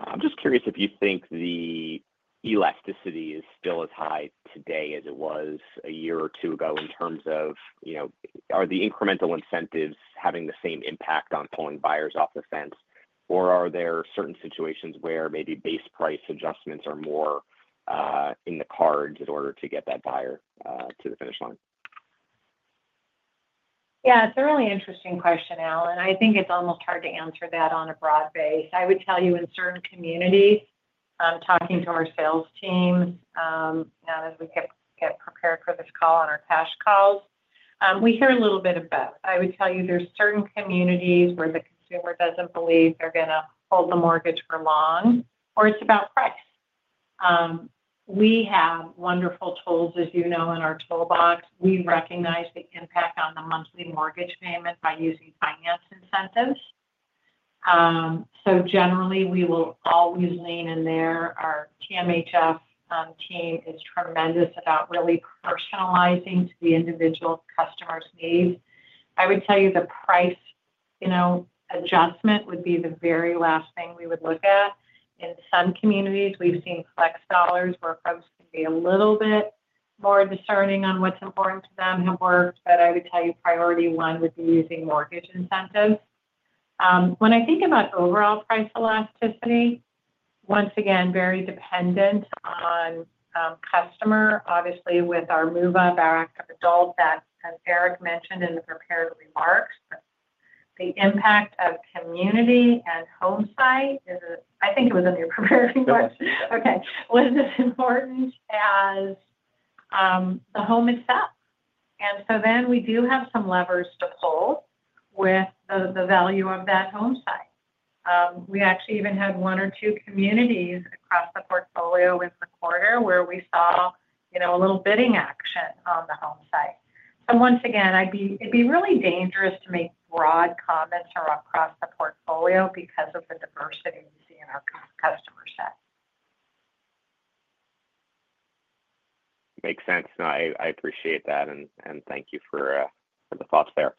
I'm just curious if you think the elasticity is still as high today as it was a year or two ago in terms of are the incremental incentives having the same impact on pulling buyers off the fence, or are there certain situations where maybe base price adjustments are more in the cards in order to get that buyer to the finish line? Yeah, it's a really interesting question, Alan. I think it's almost hard to answer that on a broad base. I would tell you in certain communities, talking to our sales team, now that we get prepared for this call on our cash calls, we hear a little bit of both. I would tell you there's certain communities where the consumer doesn't believe they're going to hold the mortgage for long or it's about price. We have wonderful tools, as you know, in our toolbox. We recognize the impact on the monthly mortgage payment by using finance incentives. Generally, we will always lean in there. Our TMHF team is tremendous about really personalizing to the individual customer's needs. I would tell you the price adjustment would be the very last thing we would look at. In some communities, we've seen flex dollars where folks can be a little bit more discerning on what's important to them have worked. I would tell you priority one would be using mortgage incentives. When I think about overall price elasticity, once again, very dependent on customer, obviously, with our move-up act, adult debts, as Erik mentioned in the prepared remarks. The impact of community and home site is, I think it was in your prepared remarks. Okay. Was as important as the home itself. We do have some levers to pull with the value of that home site. We actually even had one or two communities across the portfolio in the quarter where we saw a little bidding action on the home site. Once again, it'd be really dangerous to make broad comments across the portfolio because of the diversity we see in our customer set. Makes sense. No, I appreciate that. Thank you for the thoughts there.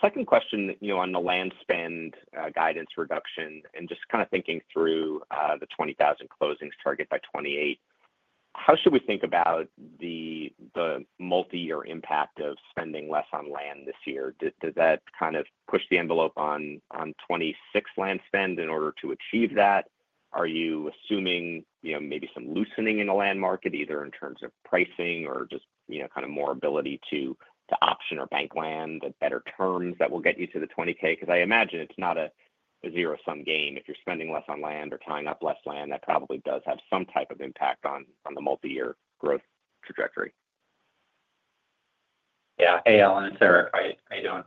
Second question on the land spend guidance reduction and just kind of thinking through the 20,000 closings target by 2028, how should we think about the multi-year impact of spending less on land this year? Does that kind of push the envelope on 2026 land spend in order to achieve that? Are you assuming maybe some loosening in the land market, either in terms of pricing or just kind of more ability to option or bank land at better terms that will get you to the 20,000? Because I imagine it's not a zero-sum game. If you're spending less on land or tying up less land, that probably does have some type of impact on the multi-year growth trajectory. Yeah. Hey, Alan. It's Erik. I don't.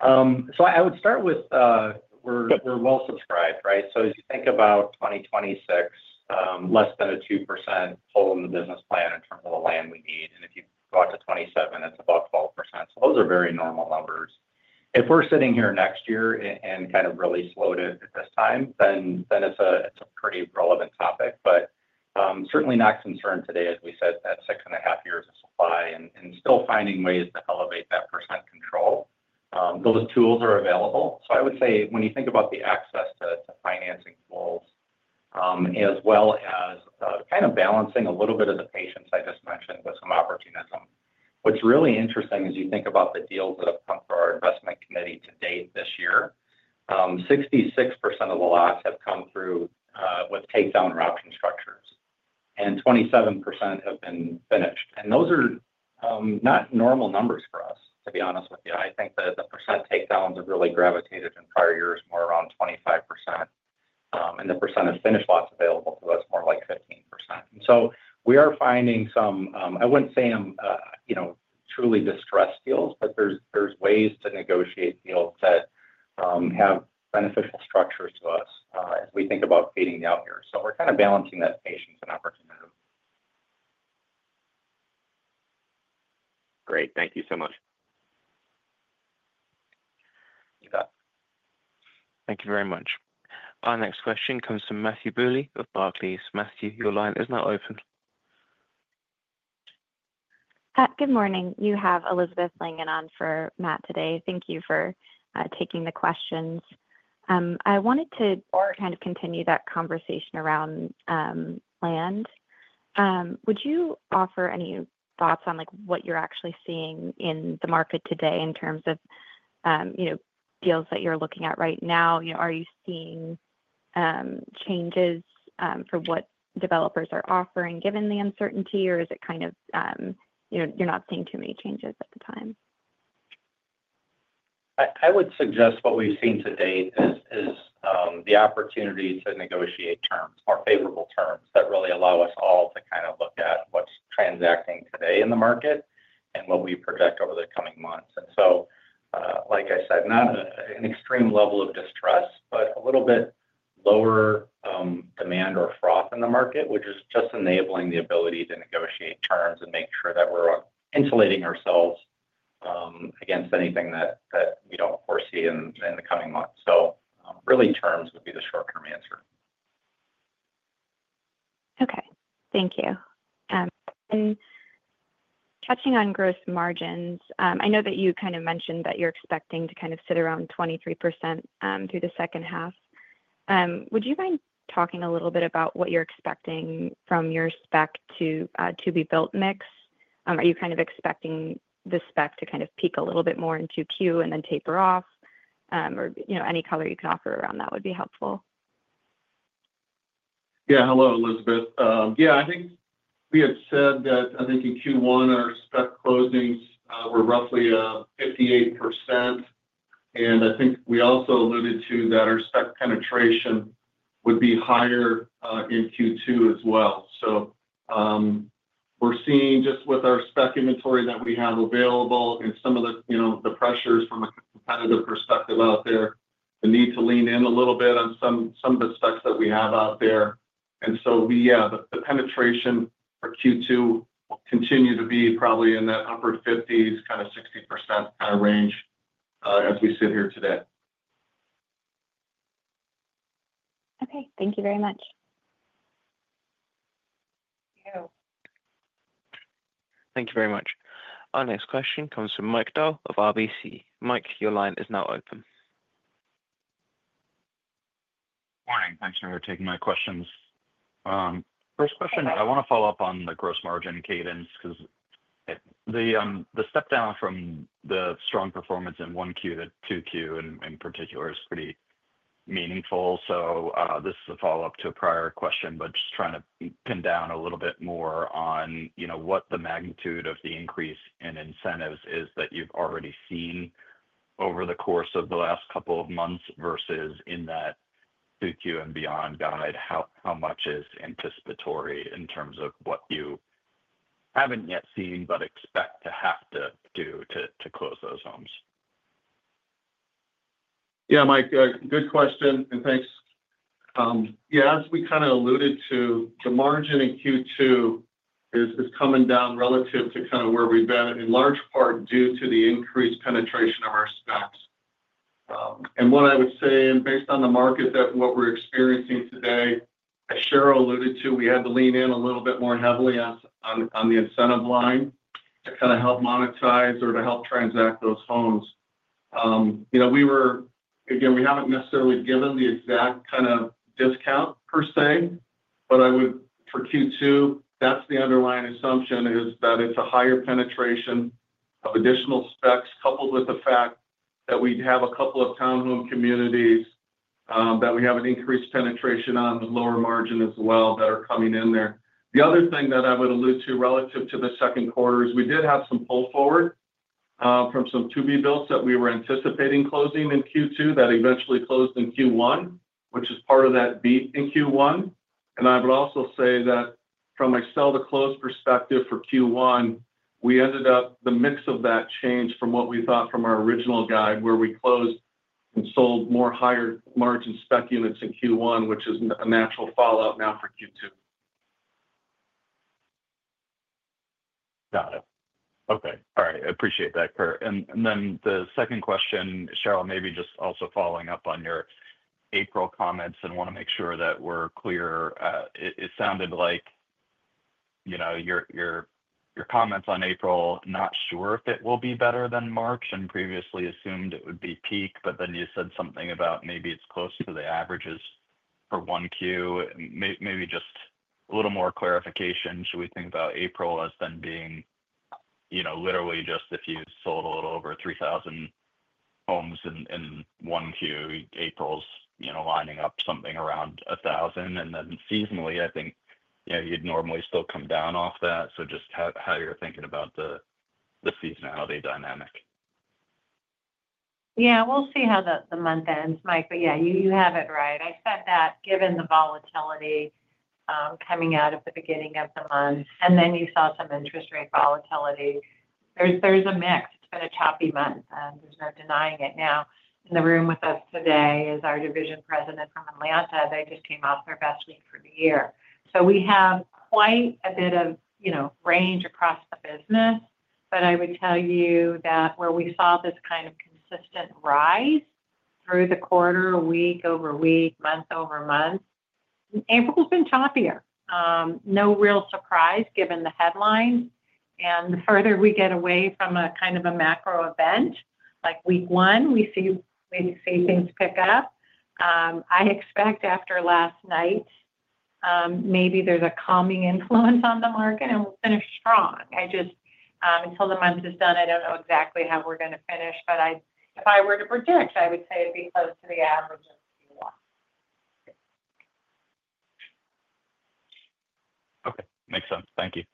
I would start with we're well subscribed, right? As you think about 2026, less than a 2% hole in the business plan in terms of the land we need. If you go out to 2027, it is about 12%. Those are very normal numbers. If we are sitting here next year and kind of really slowed it at this time, then it is a pretty relevant topic. Certainly not concerned today, as we said, that six and a half years of supply and still finding ways to elevate that percent control. Those tools are available. I would say when you think about the access to financing tools, as well as kind of balancing a little bit of the patience I just mentioned with some opportunism, what's really interesting is you think about the deals that have come through our investment committee to date this year, 66% of the lots have come through with takedown or option structures, and 27% have been finished. Those are not normal numbers for us, to be honest with you. I think that the percent takedowns have really gravitated in prior years more around 25%, and the percent of finished lots available to us, more like 15%. We are finding some I wouldn't say truly distressed deals, but there's ways to negotiate deals that have beneficial structures to us as we think about feeding the out here. We're kind of balancing that patience and opportunism. Great. Thank you so much. You bet. Thank you very much. Our next question comes from Matthew Bouley of Barclays. Good morning. You have Elizabeth Langan on for Matt today. Thank you for taking the questions. I wanted to kind of continue that conversation around land. Would you offer any thoughts on what you're actually seeing in the market today in terms of deals that you're looking at right now? Are you seeing changes for what developers are offering given the uncertainty, or is it kind of you're not seeing too many changes at the time? I would suggest what we've seen to date is the opportunity to negotiate terms, more favorable terms that really allow us all to kind of look at what's transacting today in the market and what we project over the coming months. Like I said, not an extreme level of distress, but a little bit lower demand or froth in the market, which is just enabling the ability to negotiate terms and make sure that we're insulating ourselves against anything that we don't foresee in the coming months. Really, terms would be the short-term answer. Okay. Thank you. Touching on gross margins, I know that you kind of mentioned that you're expecting to kind of sit around 23% through the second half. Would you mind talking a little bit about what you're expecting from your spec to-to-be-built mix? Are you kind of expecting the spec to kind of peak a little bit more in Q2 and then taper off? Any color you can offer around that would be helpful. Yeah. Hello, Elizabeth. Yeah. I think we had said that I think in Q1, our spec closings were roughly 58%. I think we also alluded to that our spec penetration would be higher in Q2 as well. We are seeing just with our spec inventory that we have available and some of the pressures from a competitive perspective out there, the need to lean in a little bit on some of the specs that we have out there. The penetration for Q2 will continue to be probably in that upper 50s, kind of 60% kind of range as we sit here today. Okay. Thank you very much. Thank you. Thank you very much. Our next question comes from Mike Dahl of RBC. Mike, your line is now open. Morning. Thanks for taking my questions. First question, I want to follow up on the gross margin cadence because the step down from the strong performance in Q1 to Q2 in particular is pretty meaningful. This is a follow-up to a prior question, but just trying to pin down a little bit more on what the magnitude of the increase in incentives is that you've already seen over the course of the last couple of months versus in that Q2 and beyond guide, how much is anticipatory in terms of what you haven't yet seen but expect to have to do to close those homes? Yeah, Mike, good question. Thanks. As we kind of alluded to, the margin in Q2 is coming down relative to where we've been in large part due to the increased penetration of our specs. What I would say, based on the market that we're experiencing today, as Sheryl alluded to, we had to lean in a little bit more heavily on the incentive line to kind of help monetize or to help transact those homes. Again, we haven't necessarily given the exact kind of discount per se, but for Q2, that's the underlying assumption is that it's a higher penetration of additional specs coupled with the fact that we'd have a couple of townhome communities that we have an increased penetration on the lower margin as well that are coming in there. The other thing that I would allude to relative to the second quarter is we did have some pull forward from some to-be-builts that we were anticipating closing in Q2 that eventually closed in Q1, which is part of that beat in Q1. I would also say that from a sell-to-close perspective for Q1, we ended up the mix of that changed from what we thought from our original guide where we closed and sold more higher margin spec units in Q1, which is a natural fallout now for Q2. Got it. Okay. All right. I appreciate that, Curt. The second question, Sheryl, maybe just also following up on your April comments and want to make sure that we're clear. It sounded like your comments on April, not sure if it will be better than March and previously assumed it would be peak, but then you said something about maybe it's close to the averages for 1Q. Maybe just a little more clarification. Should we think about April as then being literally just if you sold a little over 3,000 homes in 1Q, April's lining up something around 1,000. And then seasonally, I think you'd normally still come down off that. Just how you're thinking about the seasonality dynamic. Yeah. We'll see how the month ends, Mike. Yeah, you have it right. I said that given the volatility coming out of the beginning of the month, and then you saw some interest rate volatility. There's a mix. It's been a choppy month. There's no denying it. Now, in the room with us today is our division president from Atlanta. They just came off their best week for the year. We have quite a bit of range across the business, but I would tell you that where we saw this kind of consistent rise through the quarter, week over week, month over month, April has been choppier. No real surprise given the headlines. The further we get away from a kind of a macro event like week one, we see things pick up. I expect after last night, maybe there's a calming influence on the market, and we'll finish strong. Until the month is done, I don't know exactly how we're going to finish, but if I were to predict, I would say it'd be close to the average of Q1. Okay. Makes sense. Thank you.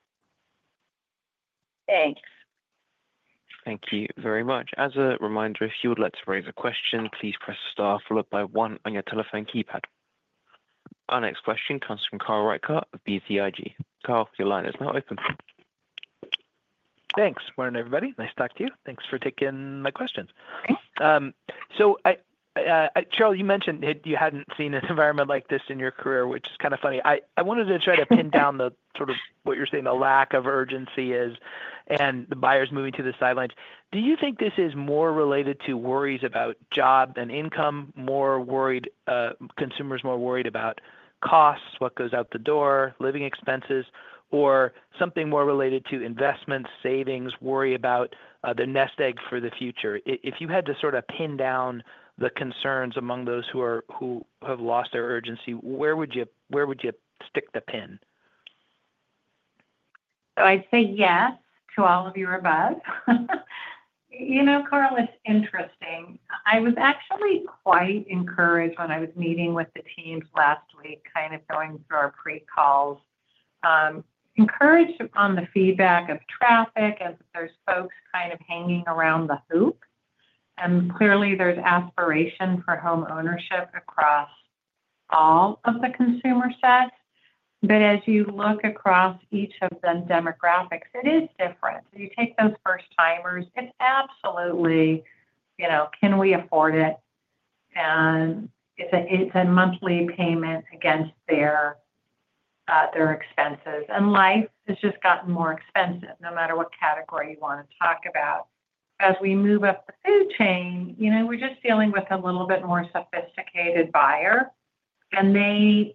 Thanks. Thank you very much. As a reminder, if you would like to raise a question, please press star followed by one on your telephone keypad. Our next question comes from Carl Reichardt of BTIG. Carl, your line is now open. Thanks. Morning, everybody. Nice to talk to you. Thanks for taking my questions. Sheryl, you mentioned you hadn't seen an environment like this in your career, which is kind of funny. I wanted to try to pin down the sort of what you're saying, the lack of urgency and the buyers moving to the sidelines. Do you think this is more related to worries about jobs and income, consumers more worried about costs, what goes out the door, living expenses, or something more related to investments, savings, worry about the nest egg for the future? If you had to sort of pin down the concerns among those who have lost their urgency, where would you stick the pin? I say yes to all of you above. You know, Carl, it's interesting. I was actually quite encouraged when I was meeting with the teams last week, kind of going through our pre-calls, encouraged on the feedback of traffic as there's folks kind of hanging around the hoop. Clearly, there's aspiration for homeownership across all of the consumer sets. As you look across each of the demographics, it is different. You take those first-timers, it's absolutely, can we afford it? It's a monthly payment against their expenses. Life has just gotten more expensive, no matter what category you want to talk about. As we move up the food chain, we're just dealing with a little bit more sophisticated buyer.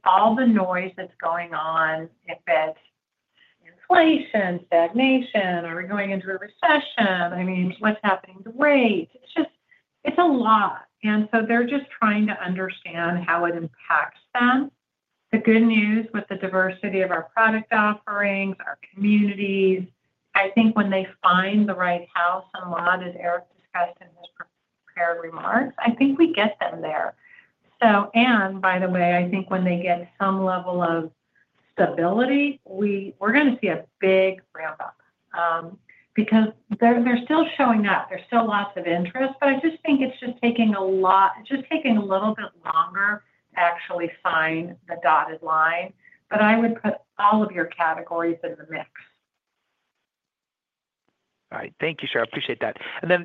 All the noise that's going on, if it's inflation, stagnation, or we're going into a recession, I mean, what's happening to rates? It's a lot. They're just trying to understand how it impacts them. The good news with the diversity of our product offerings, our communities, I think when they find the right house and lot, as Erik discussed in his prepared remarks, I think we get them there. By the way, I think when they get some level of stability, we're going to see a big ramp up because they're still showing up. There's still lots of interest, I just think it's just taking a little bit longer to actually find the dotted line. I would put all of your categories in the mix. All right. Thank you, Sheryl. I appreciate that.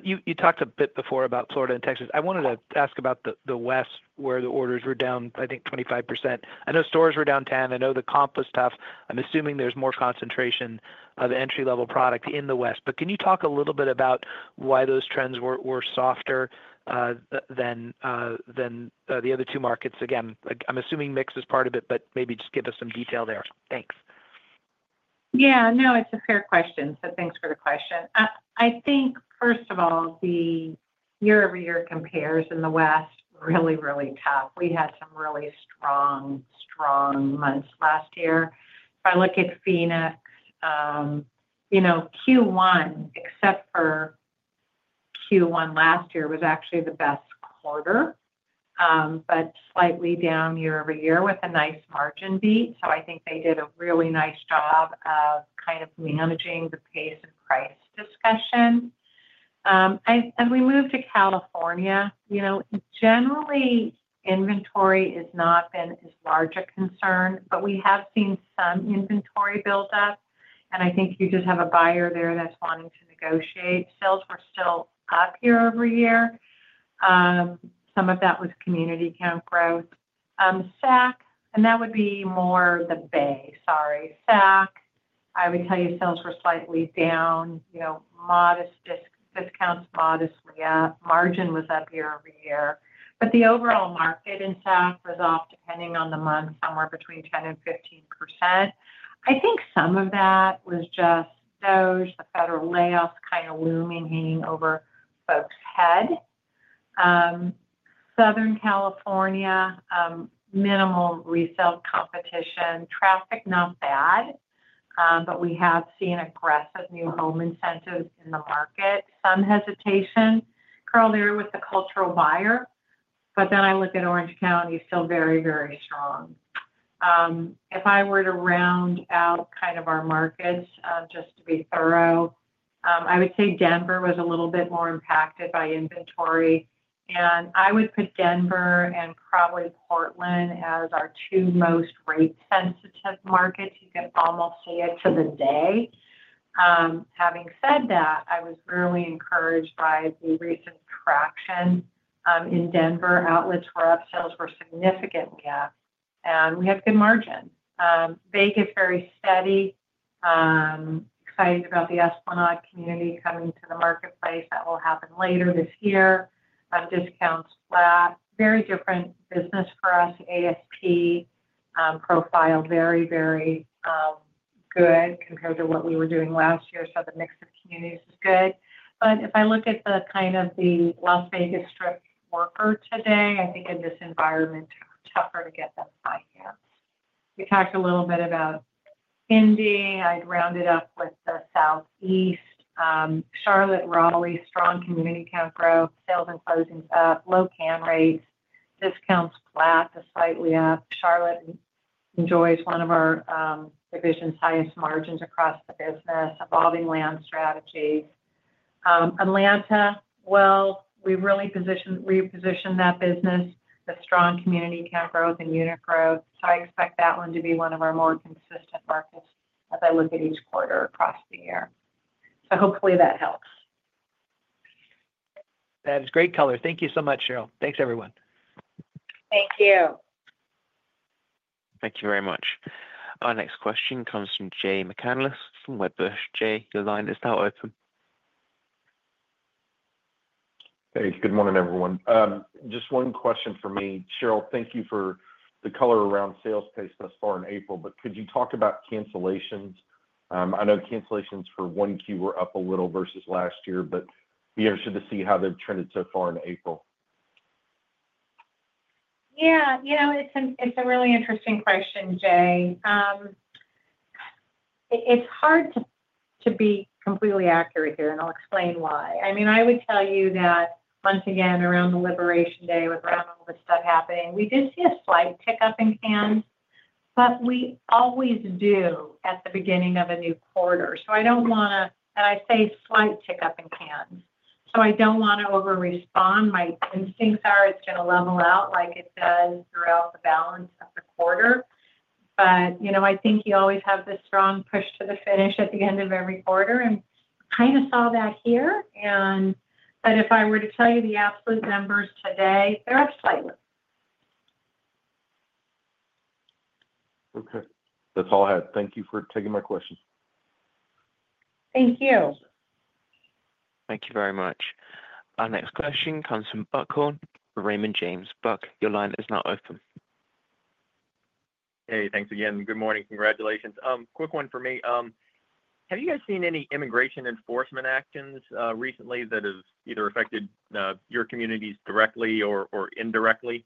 You talked a bit before about Florida and Texas. I wanted to ask about the West, where the orders were down, I think, 25%. I know stores were down 10. I know the comp was tough. I'm assuming there's more concentration of entry-level product in the West. Can you talk a little bit about why those trends were softer than the other two markets? I'm assuming mix is part of it, but maybe just give us some detail there. Thanks. Yeah. No, it's a fair question. Thanks for the question. I think, first of all, year-over-year compares in the West are really, really tough. We had some really strong, strong months last year. If I look at Phoenix, Q1, except for Q1 last year, was actually the best quarter, but slightly down year-over-year with a nice margin beat. I think they did a really nice job of kind of managing the pace and price discussion. As we move to California, generally, inventory has not been as large a concern, but we have seen some inventory build-up. I think you just have a buyer there that's wanting to negotiate. Sales were still up year-over-year. Some of that was community count growth. SAC, and that would be more the Bay, sorry. SAC, I would tell you sales were slightly down, modest discounts, modestly up. Margin was up year-over-year. The overall market in SAC was off, depending on the month, somewhere between 10%-15%. I think some of that was just stoge, the federal layoffs kind of looming, hanging over folks' heads. Southern California, minimal resale competition. Traffic not bad, but we have seen aggressive new home incentives in the market. Some hesitation. Currently, we're with the cultural buyer, but then I look at Orange County, still very, very strong. If I were to round out kind of our markets, just to be thorough, I would say Denver was a little bit more impacted by inventory. I would put Denver and probably Portland as our two most rate-sensitive markets. You can almost see it to the day. Having said that, I was really encouraged by the recent traction in Denver. Outlets were up. Sales were significantly up. We had good margins. Bay is very steady. Excited about the Esplanade community coming to the marketplace. That will happen later this year. Discounts flat. Very different business for us. ASP profile, very, very good compared to what we were doing last year. The mix of communities is good. If I look at the kind of the Las Vegas strip worker today, I think in this environment, tougher to get them financed. We talked a little bit about Indy. I'd rounded up with the Southeast. Charlotte, Raleigh, strong community count growth. Sales and closings up. Low can rates. Discounts flat to slightly up. Charlotte enjoys one of our division's highest margins across the business, evolving land strategy. Atlanta, we repositioned that business. The strong community count growth and unit growth. I expect that one to be one of our more consistent markets as I look at each quarter across the year. Hopefully that helps. That is great, color. Thank you so much, Sheryl. Thanks, everyone. Thank you. Thank you very much. Our next question comes from Jay McCanless from Wedbush. Jay, your line is now open. Hey, good morning, everyone. Just one question for me. Sheryl, thank you for the color around sales pace thus far in April, but could you talk about cancellations? I know cancellations for one Q were up a little versus last year, but be interested to see how they've trended so far in April. Yeah. It's a really interesting question, Jay. It's hard to be completely accurate here, and I'll explain why. I mean, I would tell you that once again, around the Liberation Day, with all the stuff happening, we did see a slight tick up in cans, but we always do at the beginning of a new quarter. I don't want to—and I say slight tick up in cans. I don't want to over-respond. My instincts are it's going to level out like it does throughout the balance of the quarter. I think you always have this strong push to the finish at the end of every quarter, and I kind of saw that here. If I were to tell you the absolute numbers today, they're up slightly. Okay. That's all I had. Thank you for taking my questions. Thank you. Thank you very much. Our next question comes from Buck Horne, Raymond James. Buck, your line is now open. Hey, thanks again. Good morning. Congratulations. Quick one for me. Have you guys seen any immigration enforcement actions recently that have either affected your communities directly or indirectly?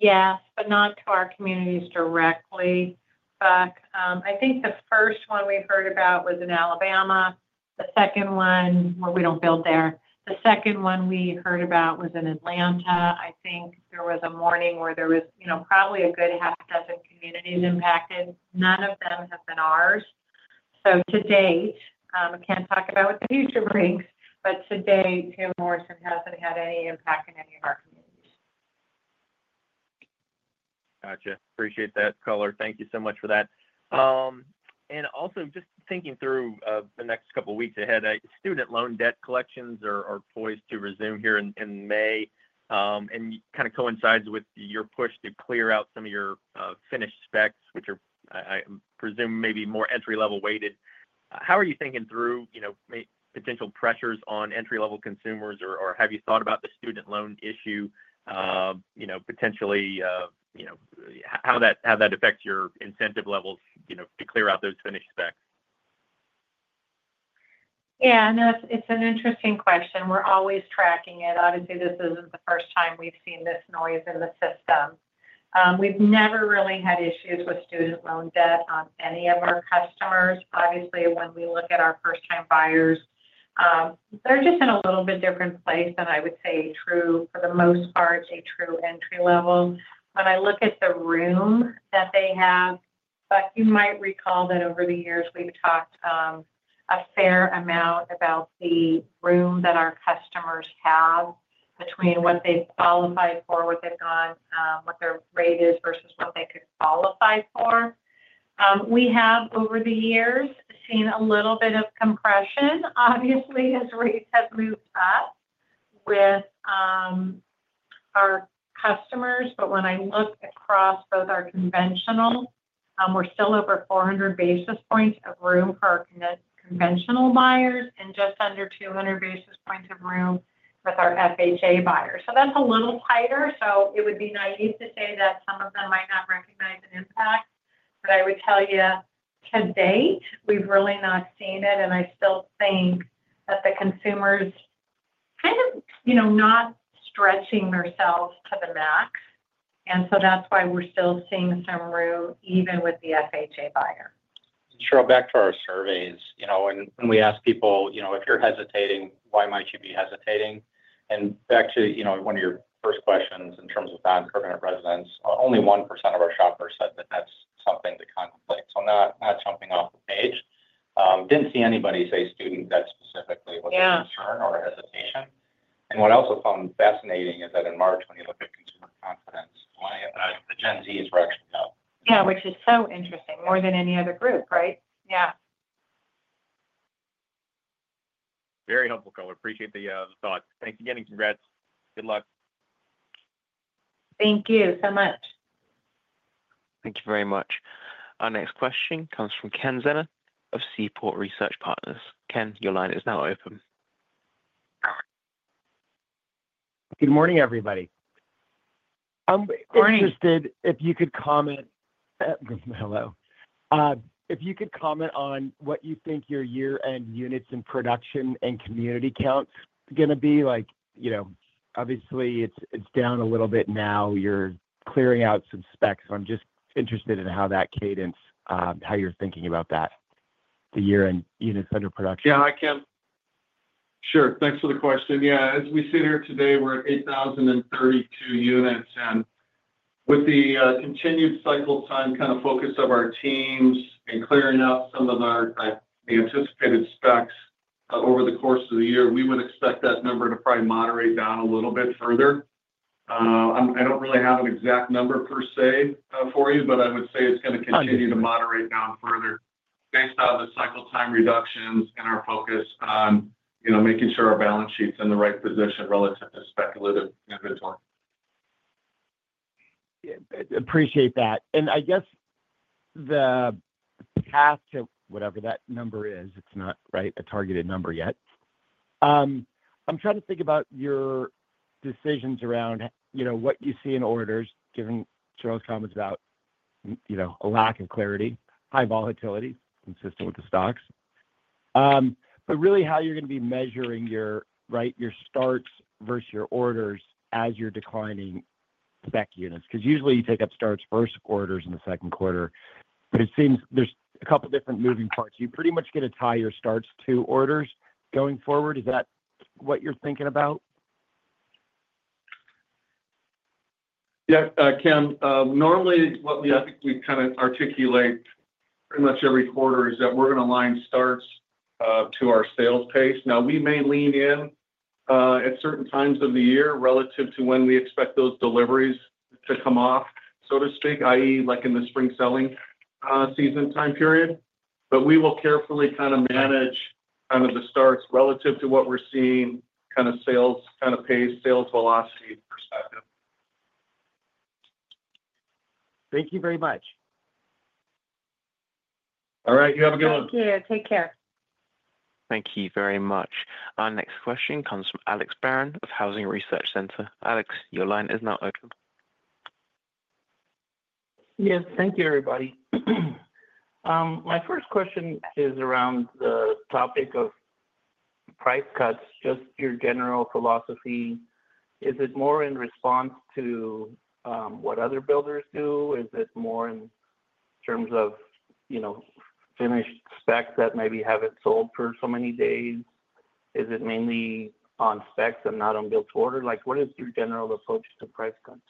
Yes, but not to our communities directly. Buck, I think the first one we heard about was in Alabama. The second one—we don't build there—the second one we heard about was in Atlanta. I think there was a morning where there was probably a good half a dozen communities impacted. None of them have been ours. To date, I can't talk about what the future brings, but to date, Taylor Morrison hasn't had any impact in any of our communities. Gotcha. Appreciate that, color. Thank you so much for that. Also, just thinking through the next couple of weeks ahead, student loan debt collections are poised to resume here in May, and it kind of coincides with your push to clear out some of your finished specs, which I presume may be more entry-level weighted. How are you thinking through potential pressures on entry-level consumers, or have you thought about the student loan issue potentially? How that affects your incentive levels to clear out those finished specs? Yeah. No, it's an interesting question. We're always tracking it. Obviously, this isn't the first time we've seen this noise in the system. We've never really had issues with student loan debt on any of our customers. Obviously, when we look at our first-time buyers, they're just in a little bit different place than I would say a true—for the most part, a true entry-level. When I look at the room that they have—but you might recall that over the years, we've talked a fair amount about the room that our customers have between what they've qualified for, what they've gone, what their rate is versus what they could qualify for. We have, over the years, seen a little bit of compression, obviously, as rates have moved up with our customers. When I look across both our conventional, we're still over 400 basis points of room for our conventional buyers and just under 200 basis points of room with our FHA buyers. That is a little tighter. It would be naive to say that some of them might not recognize an impact, but I would tell you, to date, we've really not seen it. I still think that the consumer's kind of not stretching themselves to the max. That's why we're still seeing some room, even with the FHA buyer. Sheryl, back to our surveys. When we ask people, "If you're hesitating, why might you be hesitating?" Back to one of your first questions in terms of non-permanent residents, only 1% of our shoppers said that that's something to contemplate. Not jumping off the page. Didn't see anybody say student debt specifically was a concern or a hesitation. What I also found fascinating is that in March, when you look at consumer confidence, the Gen Zs were actually up. Yeah, which is so interesting. More than any other group, right? Yeah. Very helpful, color. Appreciate the thoughts. Thanks again. Congrats. Good luck. Thank you so much. Thank you very much. Our next question comes from Ken Zener of Seaport Research Partners. Ken, your line is now open. Good morning, everybody. I'm interested if you could comment—hello—if you could comment on what you think your year-end units in production and community counts are going to be. Obviously, it's down a little bit now. You're clearing out some specs. I'm just interested in how that cadence, how you're thinking about that, the year-end units under production. Yeah, I can. Sure. Thanks for the question. Yeah. As we sit here today, we're at 8,032 units. With the continued cycle time kind of focus of our teams and clearing out some of the anticipated specs over the course of the year, we would expect that number to probably moderate down a little bit further. I do not really have an exact number per se for you, but I would say it is going to continue to moderate down further based on the cycle time reductions and our focus on making sure our balance sheet is in the right position relative to speculative inventory. Appreciate that. I guess the path to whatever that number is, it is not a targeted number yet. I am trying to think about your decisions around what you see in orders, given Sheryl's comments about a lack of clarity, high volatility, consistent with the stocks. Really, how you are going to be measuring your starts versus your orders as you are declining spec units. Because usually, you take up starts versus orders in the second quarter. It seems there's a couple of different moving parts. You pretty much get to tie your starts to orders going forward. Is that what you're thinking about? Yeah. Ken, normally, what we kind of articulate pretty much every quarter is that we're going to line starts to our sales pace. We may lean in at certain times of the year relative to when we expect those deliveries to come off, so to speak, i.e., in the spring selling season time period. We will carefully kind of manage the starts relative to what we're seeing from a sales pace, sales velocity perspective. Thank you very much. All right. You have a good one. Thank you. Take care. Thank you very much. Our next question comes from Alex Barron of Housing Research Center. Alex, your line is now open. Yes. Thank you, everybody. My first question is around the topic of price cuts. Just your general philosophy. Is it more in response to what other builders do? Is it more in terms of finished specs that maybe haven't sold for so many days? Is it mainly on specs and not on builds order? What is your general approach to price cuts?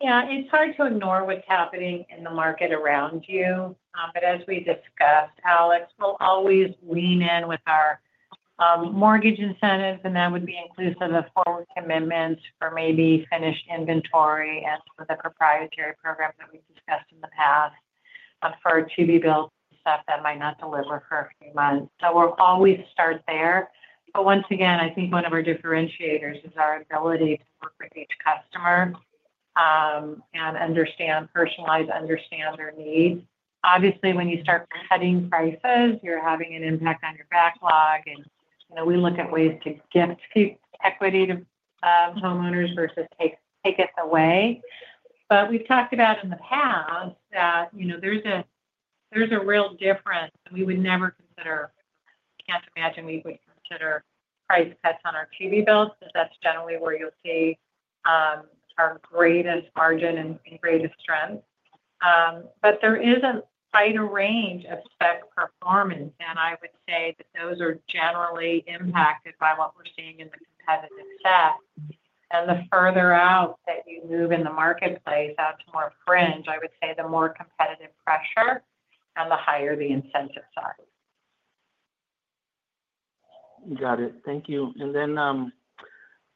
Yeah. It's hard to ignore what's happening in the market around you. As we discussed, Alex, we'll always lean in with our mortgage incentives, and that would be inclusive of forward commitments for maybe finished inventory and some of the proprietary programs that we've discussed in the past for our to-be-built stuff that might not deliver for a few months. We'll always start there. Once again, I think one of our differentiators is our ability to work with each customer and personalize, understand their needs. Obviously, when you start cutting prices, you're having an impact on your backlog. We look at ways to gift equity to homeowners versus take it away. We've talked about in the past that there's a real difference. We would never consider, I can't imagine we would consider price cuts on our to-be-builts because that's generally where you'll see our greatest margin and greatest strength. There is a wider range of spec performance. I would say that those are generally impacted by what we're seeing in the competitive set. The further out that you move in the marketplace out to more fringe, I would say the more competitive pressure and the higher the incentive size. Got it. Thank you.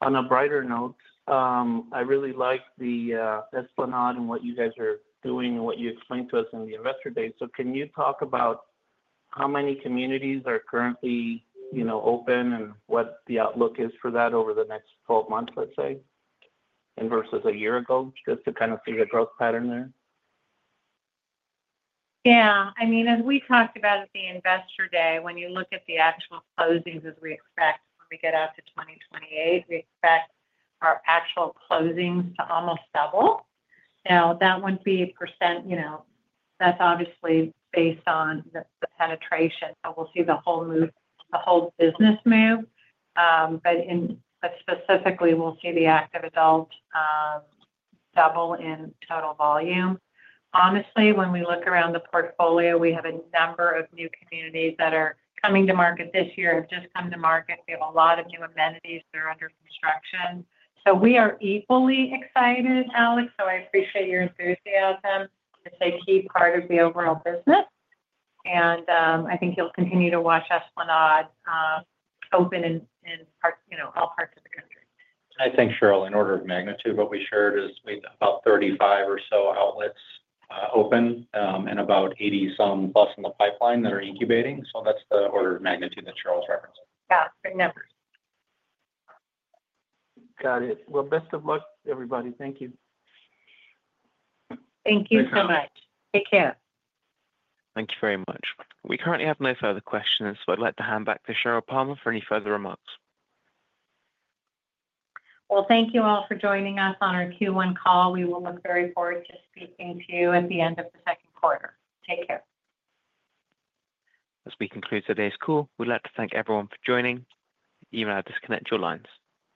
On a brighter note, I really like the Esplanade and what you guys are doing and what you explained to us in the investor day. Can you talk about how many communities are currently open and what the outlook is for that over the next 12 months, let's say, versus a year ago, just to kind of see the growth pattern there? Yeah. I mean, as we talked about at the investor day, when you look at the actual closings as we expect when we get out to 2028, we expect our actual closings to almost double. Now, that would be a percent. That's obviously based on the penetration. We will see the whole business move. Specifically, we will see the active adult double in total volume. Honestly, when we look around the portfolio, we have a number of new communities that are coming to market this year, have just come to market. We have a lot of new amenities that are under construction. We are equally excited, Alex. I appreciate your enthusiasm. It is a key part of the overall business. I think you will continue to watch Esplanade open in all parts of the country. I think, Sheryl, in order of magnitude, what we shared is we have about 35 or so outlets open and about 80-some-plus in the pipeline that are incubating. That is the order of magnitude that Sheryl referenced. Big numbers. Got it. Best of luck, everybody. Thank you. Thank you so much. Take care. Thank you very much. We currently have no further questions, so I would like to hand back to Sheryl Palmer for any further remarks. Thank you all for joining us on our Q1 call. We will look very forward to speaking to you at the end of the second quarter. Take care. As we conclude today's call, we'd like to thank everyone for joining. Even now, disconnect your lines.